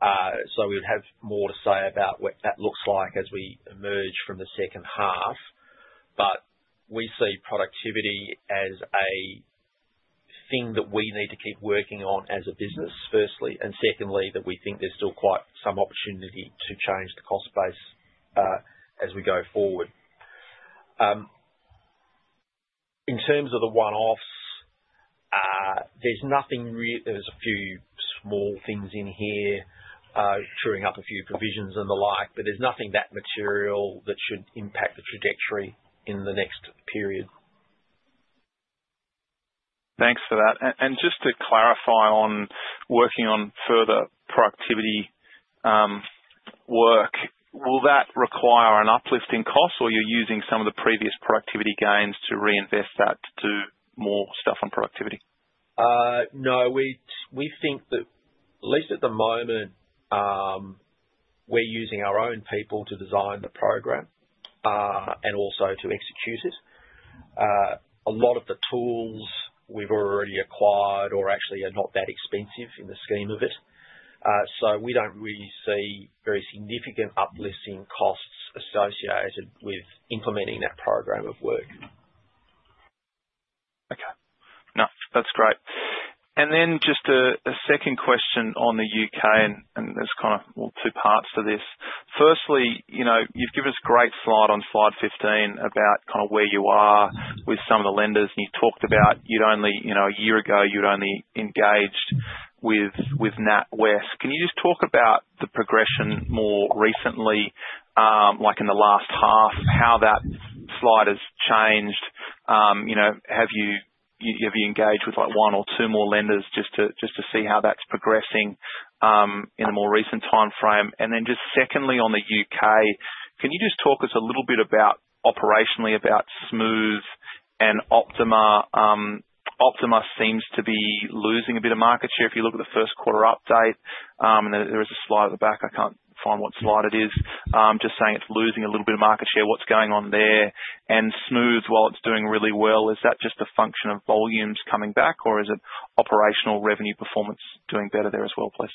We would have more to say about what that looks like as we emerge from the second half. We see productivity as a thing that we need to keep working on as a business, firstly. Secondly, we think there is still quite some opportunity to change the cost base as we go forward. In terms of the one-offs, there is nothing really. There are a few small things in here, chewing up a few provisions and the like, but there is nothing that material that should impact the trajectory in the next period. Thanks for that. Just to clarify on working on further productivity work, will that require an uplift in costs, or are you using some of the previous productivity gains to reinvest that to do more stuff on productivity? No. We think that, at least at the moment, we're using our own people to design the program and also to execute it. A lot of the tools we've already acquired are actually not that expensive in the scheme of it. We don't really see very significant uplifting costs associated with implementing that program of work. Okay. No, that's great. Then just a second question on the U.K., and there's kind of two parts to this. Firstly, you've given us a great slide on slide 15 about kind of where you are with some of the lenders. You talked about a year ago, you'd only engaged with NatWest. Can you just talk about the progression more recently, like in the last half, how that slide has changed? Have you engaged with one or two more lenders just to see how that's progressing in the more recent timeframe? Then just secondly, on the U.K., can you just talk us a little bit operationally about Smoove and Optima? Optima seems to be losing a bit of market share if you look at the first quarter update. There is a slide at the back. I can't find what slide it is. Just saying it's losing a little bit of market share. What's going on there? Smoove, while it's doing really well, is that just a function of volumes coming back, or is it operational revenue performance doing better there as well, please?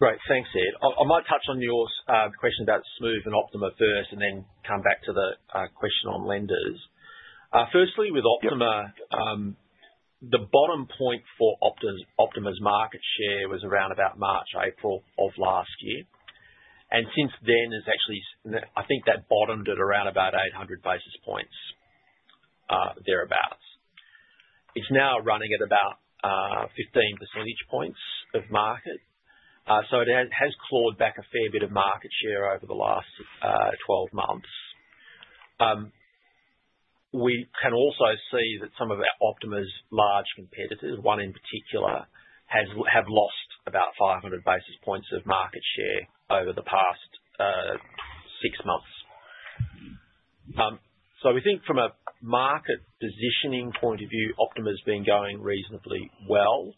Right. Thanks, Ed. I might touch on your question about Smoove and Optima first and then come back to the question on lenders. Firstly, with Optima, the bottom point for Optima's market share was around about March, April of last year. Since then, I think that bottomed at around about 800 basis points, thereabouts. It is now running at about 15 percentage points of market. It has clawed back a fair bit of market share over the last 12 months. We can also see that some of Optima's large competitors, one in particular, have lost about 500 basis points of market share over the past six months. We think from a market positioning point of view, Optima's been going reasonably well.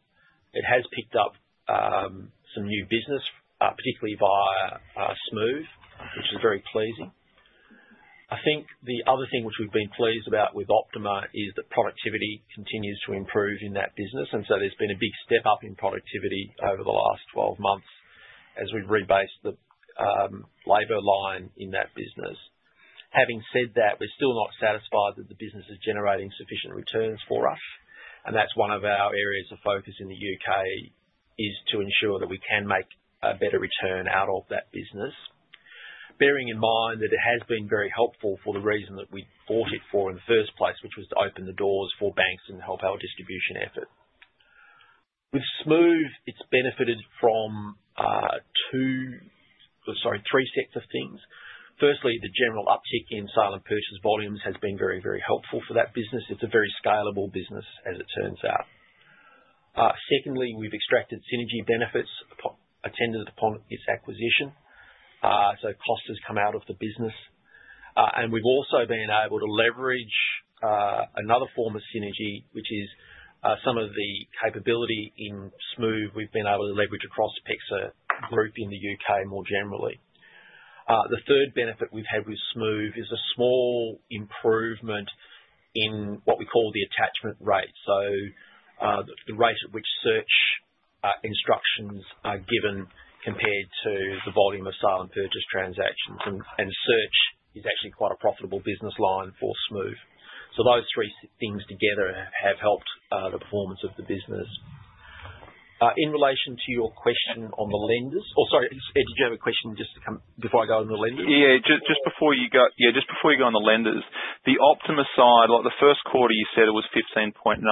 It has picked up some new business, particularly via Smoove, which is very pleasing. I think the other thing which we've been pleased about with Optima is that productivity continues to improve in that business. There has been a big step up in productivity over the last 12 months as we've rebased the labor line in that business. Having said that, we're still not satisfied that the business is generating sufficient returns for us. That is one of our areas of focus in the U.K., to ensure that we can make a better return out of that business, bearing in mind that it has been very helpful for the reason that we bought it for in the first place, which was to open the doors for banks and help our distribution effort. With Smoove, it's benefited from two or, sorry, three sets of things. Firstly, the general uptick in sale and purchase volumes has been very, very helpful for that business. It's a very scalable business, as it turns out. Secondly, we've extracted synergy benefits attended upon its acquisition. Cost has come out of the business. We've also been able to leverage another form of synergy, which is some of the capability in Smoove we've been able to leverage across PEXA Group in the U.K. more generally. The third benefit we've had with Smoove is a small improvement in what we call the attachment rate, the rate at which search instructions are given compared to the volume of sale and purchase transactions. Search is actually quite a profitable business line for Smoove. Those three things together have helped the performance of the business. In relation to your question on the lenders or, sorry, did you have a question just before I go on the lenders? Yeah. Just before you go on the lenders, the Optima side, the first quarter you said it was 15.9,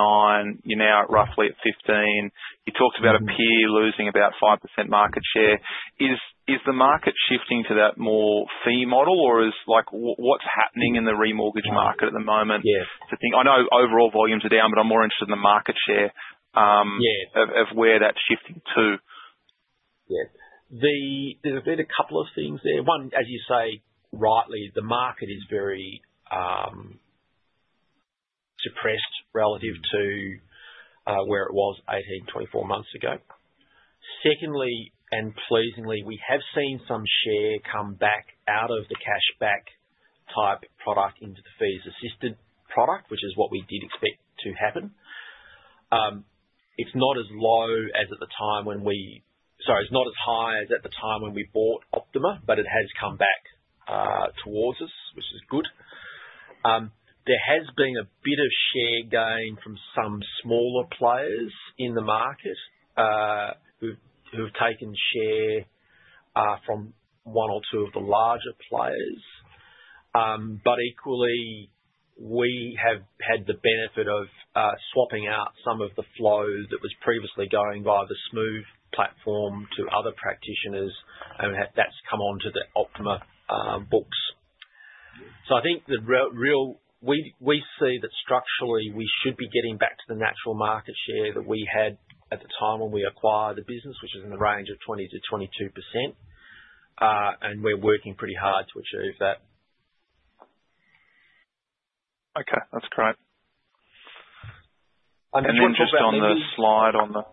you're now roughly at 15. You talked about a peer losing about 5% market share. Is the market shifting to that more fee model, or what's happening in the remortgage market at the moment? Yeah. I know overall volumes are down, but I'm more interested in the market share of where that's shifting to. Yeah. There is a bit of a couple of things there. One, as you say rightly, the market is very depressed relative to where it was 18, 24 months ago. Secondly, and pleasingly, we have seen some share come back out of the cash-back type product into the fees-assisted product, which is what we did expect to happen. It is not as low as at the time when we—sorry, it is not as high as at the time when we bought Optima, but it has come back towards us, which is good. There has been a bit of share gain from some smaller players in the market who have taken share from one or two of the larger players. Equally, we have had the benefit of swapping out some of the flow that was previously going via the Smoove platform to other practitioners, and that has come onto the Optima books. I think the real we see that structurally we should be getting back to the natural market share that we had at the time when we acquired the business, which is in the range of 20-22%. And we're working pretty hard to achieve that. Okay. That's great. Just on the. Anyone just on the slide on the.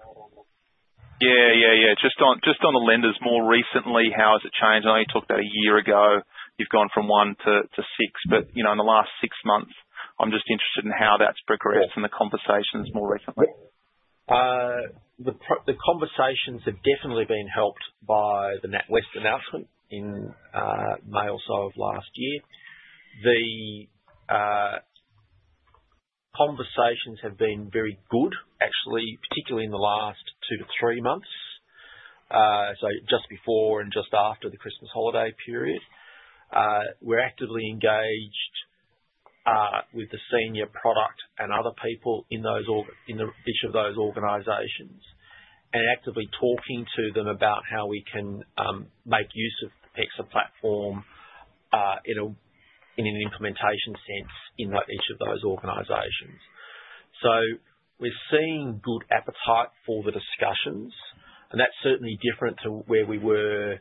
Yeah. Yeah. Yeah. Just on the lenders more recently, how has it changed? I know you talked about a year ago, you've gone from one to six. In the last six months, I'm just interested in how that's progressed in the conversations more recently. The conversations have definitely been helped by the NatWest announcement in May or so of last year. The conversations have been very good, actually, particularly in the last two to three months, just before and just after the Christmas holiday period. We're actively engaged with the senior product and other people in each of those organizations and actively talking to them about how we can make use of PEXA platform in an implementation sense in each of those organizations. We're seeing good appetite for the discussions. That is certainly different to where we were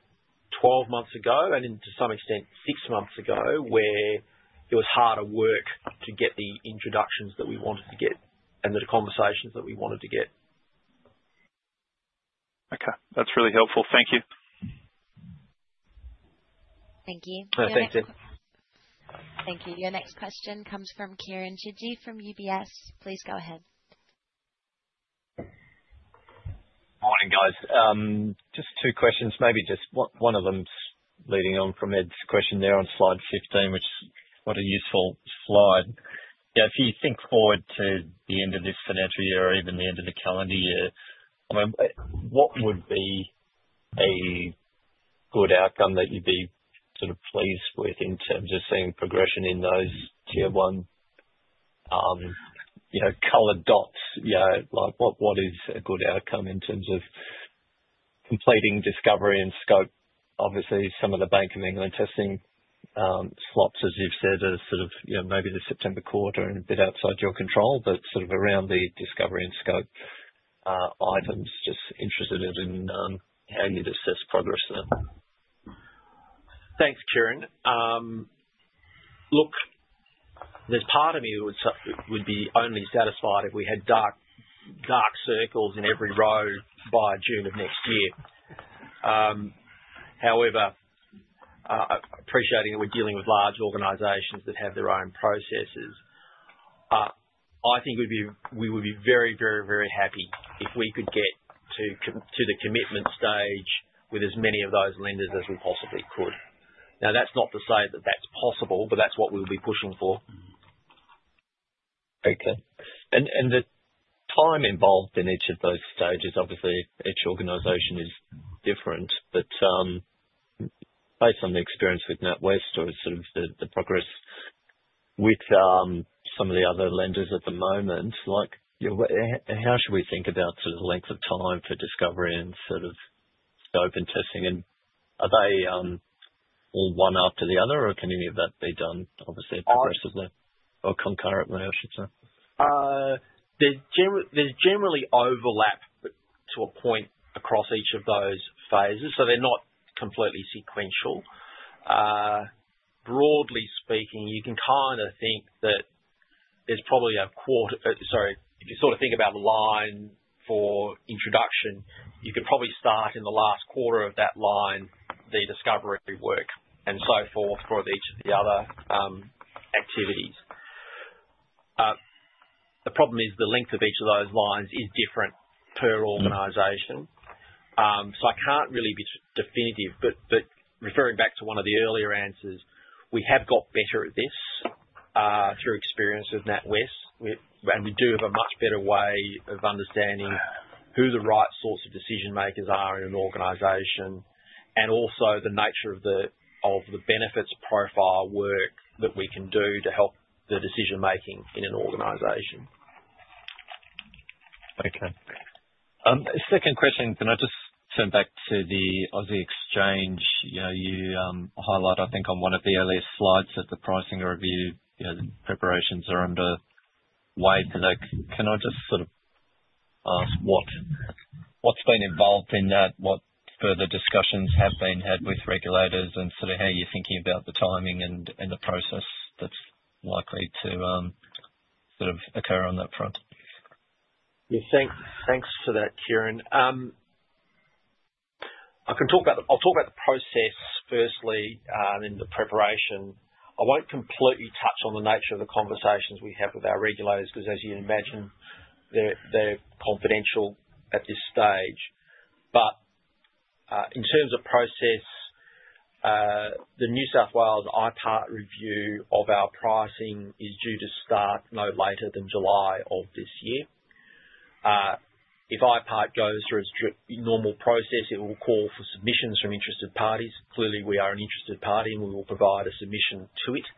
12 months ago and, to some extent, six months ago, where it was harder work to get the introductions that we wanted to get and the conversations that we wanted to get. Okay. That's really helpful. Thank you. Thank you. Thanks, Ed. Thank you. Your next question comes from Karen Chidji from UBS. Please go ahead. Morning, guys. Just two questions. Maybe just one of them's leading on from Ed's question there on slide 15, which is quite a useful slide. Yeah. If you think forward to the end of this financial year or even the end of the calendar year, I mean, what would be a good outcome that you'd be sort of pleased with in terms of seeing progression in those tier one colored dots? What is a good outcome in terms of completing discovery and scope? Obviously, some of the Bank of England testing slots, as you've said, are sort of maybe the September quarter and a bit outside your control, but sort of around the discovery and scope items, just interested in how you'd assess progress there. Thanks, Karen. Look, there's part of me who would be only satisfied if we had dark circles in every row by June of next year. However, appreciating that we're dealing with large organizations that have their own processes, I think we would be very, very, very happy if we could get to the commitment stage with as many of those lenders as we possibly could. Now, that's not to say that that's possible, but that's what we'll be pushing for. Okay. The time involved in each of those stages, obviously, each organization is different. Based on the experience with NatWest or sort of the progress with some of the other lenders at the moment, how should we think about sort of the length of time for discovery and sort of scope and testing? Are they all one after the other, or can any of that be done, obviously, progressively or concurrently, I should say? There's generally overlap to a point across each of those phases, so they're not completely sequential. Broadly speaking, you can kind of think that there's probably a quarter, sorry, if you sort of think about the line for introduction, you could probably start in the last quarter of that line, the discovery work, and so forth for each of the other activities. The problem is the length of each of those lines is different per organization. I can't really be definitive. Referring back to one of the earlier answers, we have got better at this through experience with NatWest, and we do have a much better way of understanding who the right sorts of decision-makers are in an organization and also the nature of the benefits profile work that we can do to help the decision-making in an organization. Okay. Second question, can I just turn back to the Aussie Exchange? You highlight, I think, on one of the earlier slides that the pricing review preparations are underway. Can I just sort of ask what's been involved in that, what further discussions have been had with regulators, and sort of how you're thinking about the timing and the process that's likely to sort of occur on that front? Yeah. Thanks for that, Karen. I'll talk about the process firstly and the preparation. I won't completely touch on the nature of the conversations we have with our regulators because, as you imagine, they're confidential at this stage. In terms of process, the New South Wales IPART review of our pricing is due to start no later than July of this year. If IPART goes through its normal process, it will call for submissions from interested parties. Clearly, we are an interested party, and we will provide a submission to it.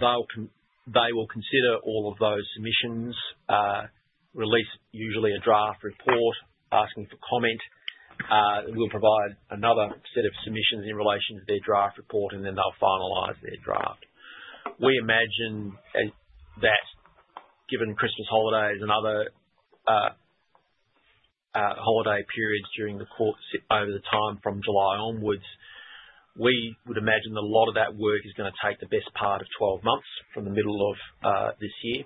They will consider all of those submissions, release usually a draft report asking for comment. We'll provide another set of submissions in relation to their draft report, and then they'll finalize their draft. We imagine that, given Christmas holidays and other holiday periods during the court over the time from July onwards, we would imagine that a lot of that work is going to take the best part of 12 months from the middle of this year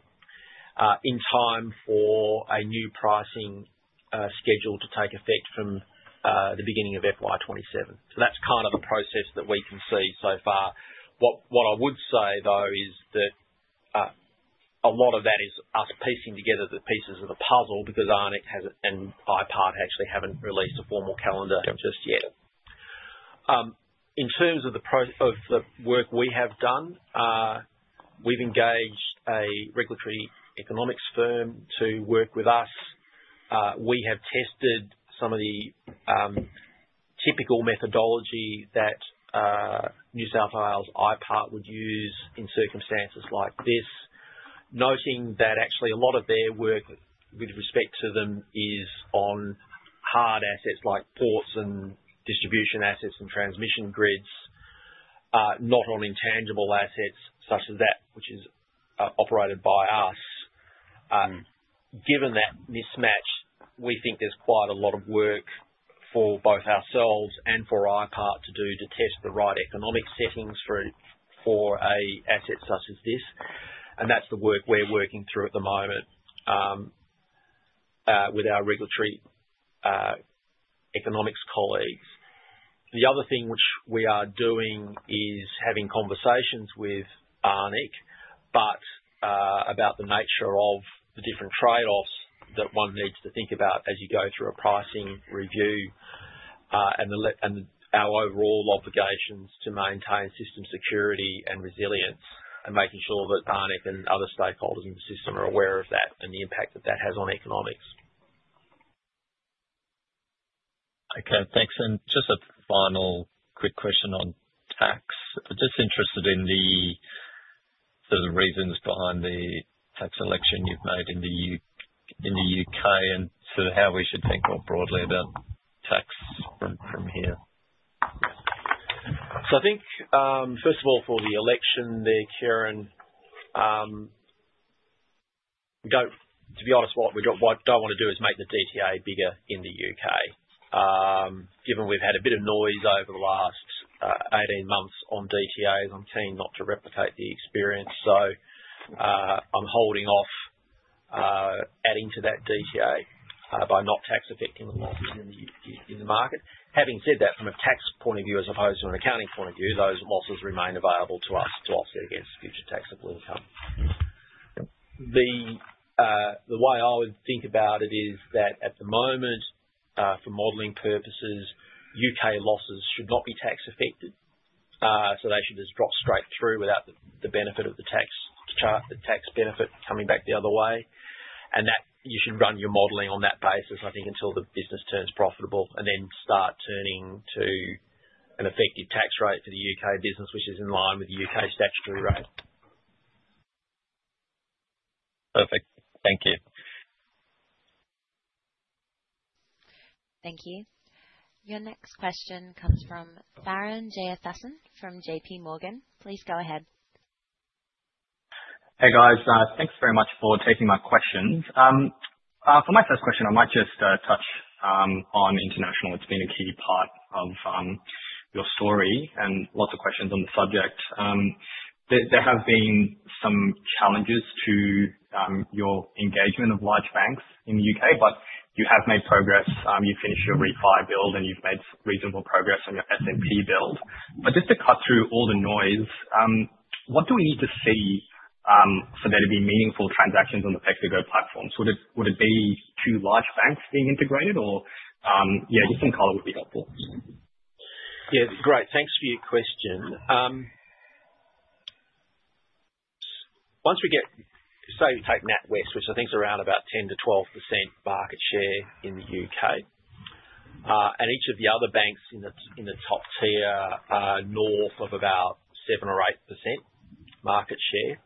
in time for a new pricing schedule to take effect from the beginning of FY27. That is kind of the process that we can see so far. What I would say, though, is that a lot of that is us piecing together the pieces of the puzzle because ARNECC and IPART actually have not released a formal calendar just yet. In terms of the work we have done, we have engaged a regulatory economics firm to work with us. We have tested some of the typical methodology that New South Wales IPART would use in circumstances like this, noting that actually a lot of their work with respect to them is on hard assets like ports and distribution assets and transmission grids, not on intangible assets such as that, which is operated by us. Given that mismatch, we think there is quite a lot of work for both ourselves and for IPART to do to test the right economic settings for an asset such as this. That is the work we are working through at the moment with our regulatory economics colleagues. The other thing which we are doing is having conversations with ARNECC about the nature of the different trade-offs that one needs to think about as you go through a pricing review and our overall obligations to maintain system security and resilience and making sure that ARNECC and other stakeholders in the system are aware of that and the impact that that has on economics. Okay. Thanks. Just a final quick question on tax. I'm just interested in the sort of reasons behind the tax election you've made in the U.K. and sort of how we should think more broadly about tax from here. I think, first of all, for the election there, Karen, to be honest, what I don't want to do is make the DTA bigger in the U.K. Given we've had a bit of noise over the last 18 months on DTAs, I'm keen not to replicate the experience. I'm holding off adding to that DTA by not tax-affecting the losses in the market. Having said that, from a tax point of view as opposed to an accounting point of view, those losses remain available to us to offset against future taxable income. The way I would think about it is that at the moment, for modeling purposes, U.K. losses should not be tax-affected, so they should just drop straight through without the benefit of the tax benefit coming back the other way. You should run your modeling on that basis, I think, until the business turns profitable and then start turning to an effective tax rate for the U.K. business, which is in line with the U.K. statutory rate. Perfect. Thank you. Thank you. Your next question comes from Farhan J. Athasan from J.P. Morgan. Please go ahead. Hey, guys. Thanks very much for taking my questions. For my first question, I might just touch on international. It's been a key part of your story and lots of questions on the subject. There have been some challenges to your engagement of large banks in the U.K., but you have made progress. You finished your REIT-5 build, and you've made reasonable progress on your S&P build. Just to cut through all the noise, what do we need to see for there to be meaningful transactions on the PEXA GO-platform? Would it be two large banks being integrated, or yeah, just some color would be helpful? Yeah. Great. Thanks for your question. Say we take NatWest, which I think is around about 10-12% market share in the U.K., and each of the other banks in the top tier are north of about 7-8% market share.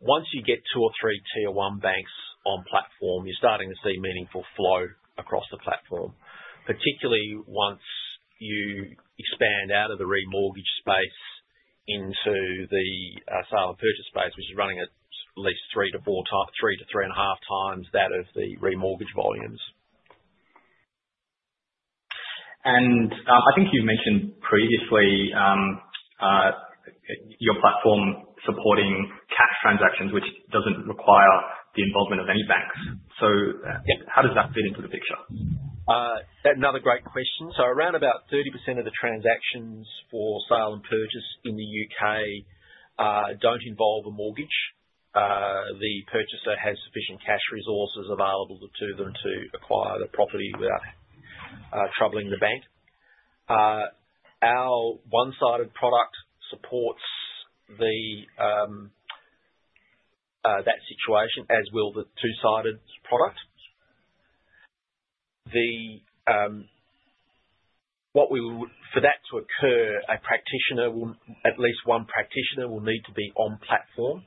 Once you get two or three tier one banks on platform, you're starting to see meaningful flow across the platform, particularly once you expand out of the remortgage space into the sale and purchase space, which is running at at least three to three and a half times that of the remortgage volumes. I think you've mentioned previously your platform supporting cash transactions, which doesn't require the involvement of any banks. How does that fit into the picture? Another great question. Around 30% of the transactions for sale and purchase in the U.K. do not involve a mortgage. The purchaser has sufficient cash resources available to them to acquire the property without troubling the bank. Our one-sided product supports that situation, as will the two-sided product. What we would need for that to occur, a practitioner, at least one practitioner, will need to be on platform.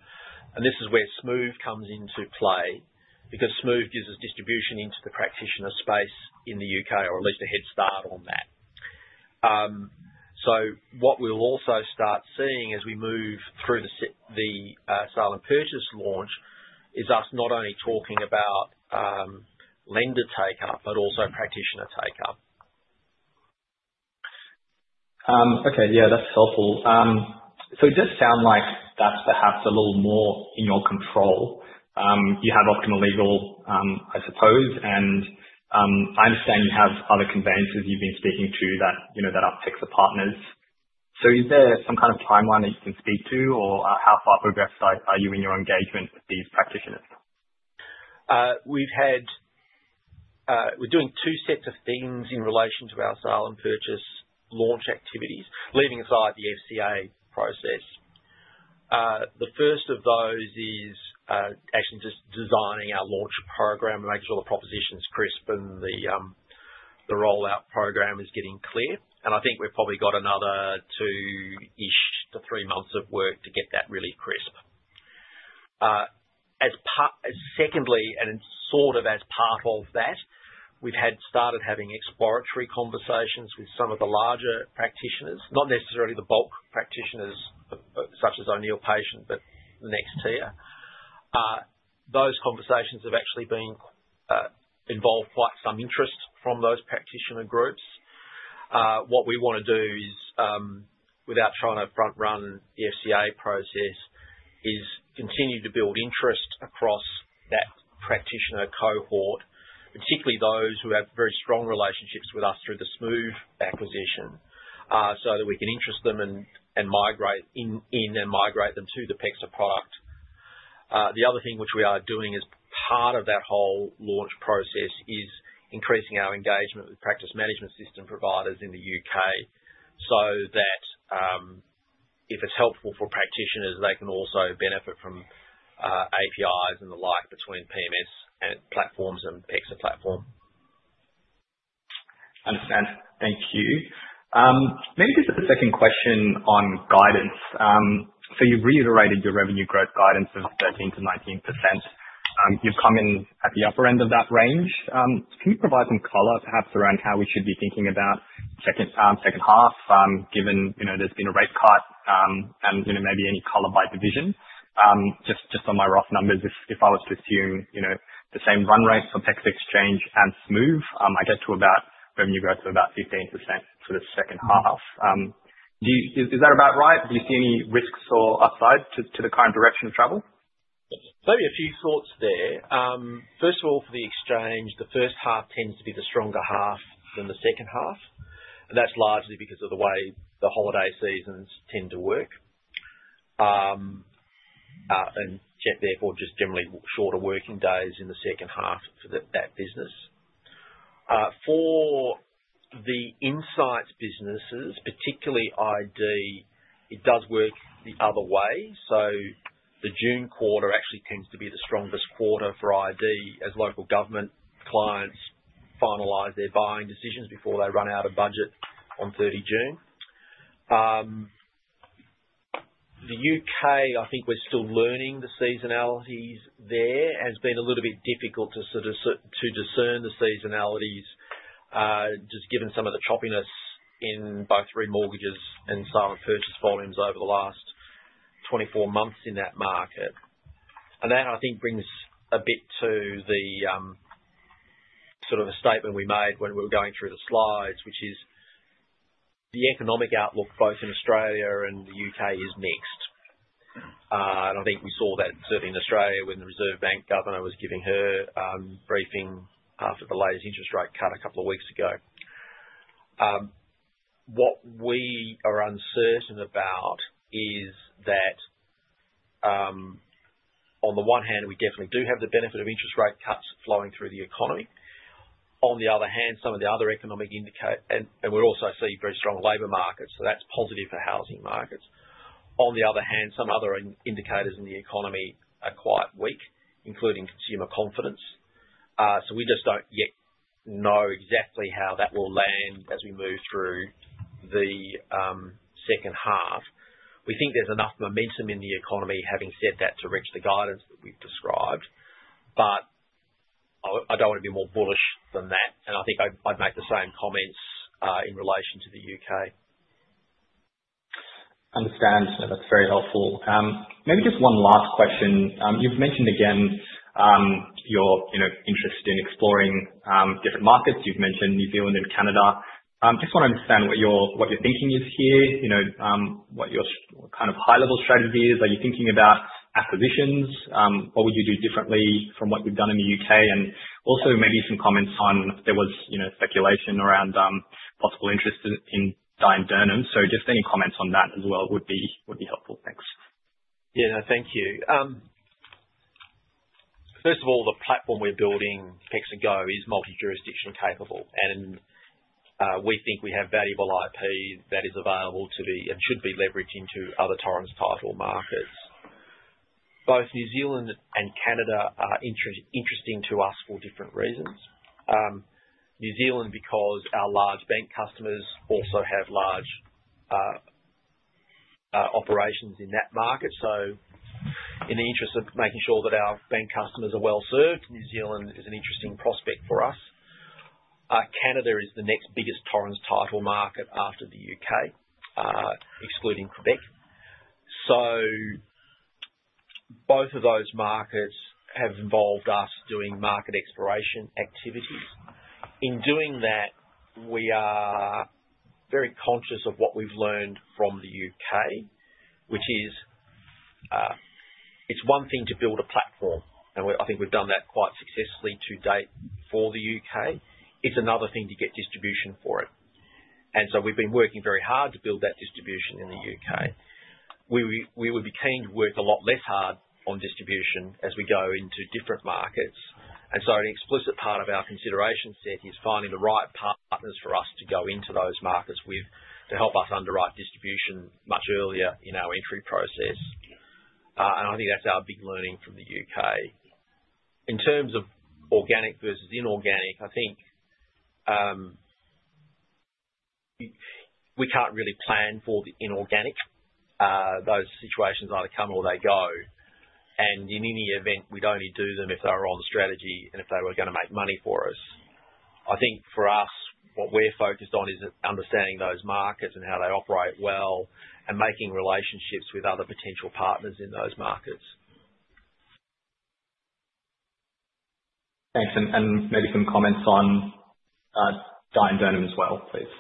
This is where Smoove comes into play because Smoove gives us distribution into the practitioner space in the U.K., or at least a head start on that. What we will also start seeing as we move through the sale and purchase launch is us not only talking about lender take-up, but also practitioner take-up. Okay. Yeah. That's helpful. It does sound like that's perhaps a little more in your control. You have Optima Legal, I suppose, and I understand you have other conveyancers you've been speaking to that are PEXA partners. Is there some kind of timeline that you can speak to, or how far progressed are you in your engagement with these practitioners? We're doing two sets of things in relation to our sale and purchase launch activities, leaving aside the FCA process. The first of those is actually just designing our launch program, making sure the proposition's crisp and the rollout program is getting clear. I think we've probably got another two-ish to three months of work to get that really crisp. Secondly, and sort of as part of that, we've started having exploratory conversations with some of the larger practitioners, not necessarily the bulk practitioners such as O'Neill Patient, but the next tier. Those conversations have actually involved quite some interest from those practitioner groups. What we want to do is, without trying to front-run the FCA process, is continue to build interest across that practitioner cohort, particularly those who have very strong relationships with us through the Smoove acquisition, so that we can interest them and migrate in and migrate them to the PEXA product. The other thing which we are doing as part of that whole launch process is increasing our engagement with practice management system providers in the U.K. so that if it's helpful for practitioners, they can also benefit from APIs and the like between PMS platforms and PEXA platform. Understand. Thank you. Maybe just a second question on guidance. You have reiterated your revenue growth guidance of 13-19%. You have come in at the upper end of that range. Can you provide some color, perhaps, around how we should be thinking about second half, given there has been a rate cut and maybe any color by division? Just on my rough numbers, if I was to assume the same run rate for PEXA Exchange and Smoove, I get to revenue growth of about 15% for the second half. Is that about right? Do you see any risks or upside to the current direction of travel? Maybe a few thoughts there. First of all, for the exchange, the first half tends to be the stronger half than the second half. That's largely because of the way the holiday seasons tend to work and, therefore, just generally shorter working days in the second half for that business. For the insights businesses, particularly ID, it does work the other way. The June quarter actually tends to be the strongest quarter for ID as local government clients finalize their buying decisions before they run out of budget on 30 June. The U.K., I think we're still learning the seasonalities there. It has been a little bit difficult to discern the seasonalities just given some of the choppiness in both remortgages and sale and purchase volumes over the last 24 months in that market. That, I think, brings a bit to sort of a statement we made when we were going through the slides, which is the economic outlook both in Australia and the U.K. is mixed. I think we saw that certainly in Australia when the Reserve Bank governor was giving her briefing after the latest interest rate cut a couple of weeks ago. What we are uncertain about is that, on the one hand, we definitely do have the benefit of interest rate cuts flowing through the economy. On the other hand, some of the other economic indicators—and we also see very strong labor markets, so that's positive for housing markets—on the other hand, some other indicators in the economy are quite weak, including consumer confidence. We just do not yet know exactly how that will land as we move through the second half. We think there's enough momentum in the economy, having said that, to reach the guidance that we've described. I don't want to be more bullish than that. I think I'd make the same comments in relation to the U.K. Understand. That's very helpful. Maybe just one last question. You've mentioned again your interest in exploring different markets. You've mentioned New Zealand and Canada. Just want to understand what your thinking is here, what your kind of high-level strategy is. Are you thinking about acquisitions? What would you do differently from what you've done in the U.K.? Also maybe some comments on there was speculation around possible interest in Domain. Just any comments on that as well would be helpful. Thanks. Yeah. No, thank you. First of all, the platform we're building, PEXAGO, is multi-jurisdiction capable. And we think we have valuable IP that is available to be and should be leveraged into other Torrens title markets. Both New Zealand and Canada are interesting to us for different reasons. New Zealand, because our large bank customers also have large operations in that market. In the interest of making sure that our bank customers are well served, New Zealand is an interesting prospect for us. Canada is the next biggest Torrens title market after the U.K., excluding Quebec. Both of those markets have involved us doing market exploration activities. In doing that, we are very conscious of what we've learned from the U.K., which is it's one thing to build a platform, and I think we've done that quite successfully to date for the U.K. It's another thing to get distribution for it. We have been working very hard to build that distribution in the U.K. We would be keen to work a lot less hard on distribution as we go into different markets. An explicit part of our consideration set is finding the right partners for us to go into those markets with to help us underwrite distribution much earlier in our entry process. I think that's our big learning from the U.K. In terms of organic versus inorganic, I think we can't really plan for the inorganic. Those situations either come or they go. In any event, we would only do them if they were on the strategy and if they were going to make money for us. I think for us, what we're focused on is understanding those markets and how they operate well and making relationships with other potential partners in those markets. Thanks. Maybe some comments on Diane Durnham as well, please.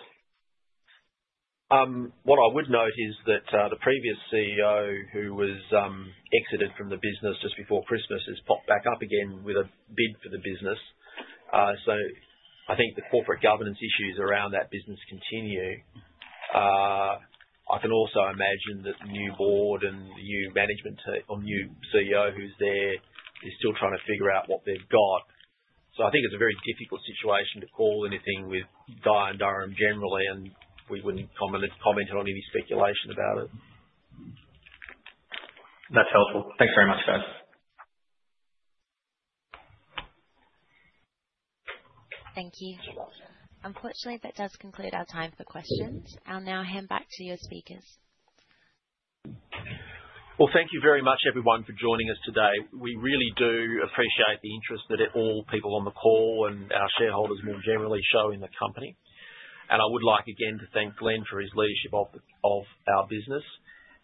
What I would note is that the previous CEO, who was exited from the business just before Christmas, has popped back up again with a bid for the business. I think the corporate governance issues around that business continue. I can also imagine that the new board and the new management or new CEO who's there is still trying to figure out what they've got. I think it's a very difficult situation to call anything with Diane Durnham generally, and we wouldn't comment on any speculation about it. That's helpful. Thanks very much, guys. Thank you. Unfortunately, that does conclude our time for questions. I'll now hand back to your speakers. Thank you very much, everyone, for joining us today. We really do appreciate the interest that all people on the call and our shareholders more generally show in the company. I would like, again, to thank Glenn for his leadership of our business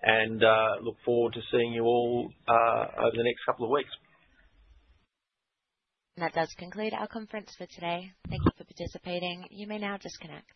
and look forward to seeing you all over the next couple of weeks. That does conclude our conference for today. Thank you for participating. You may now disconnect.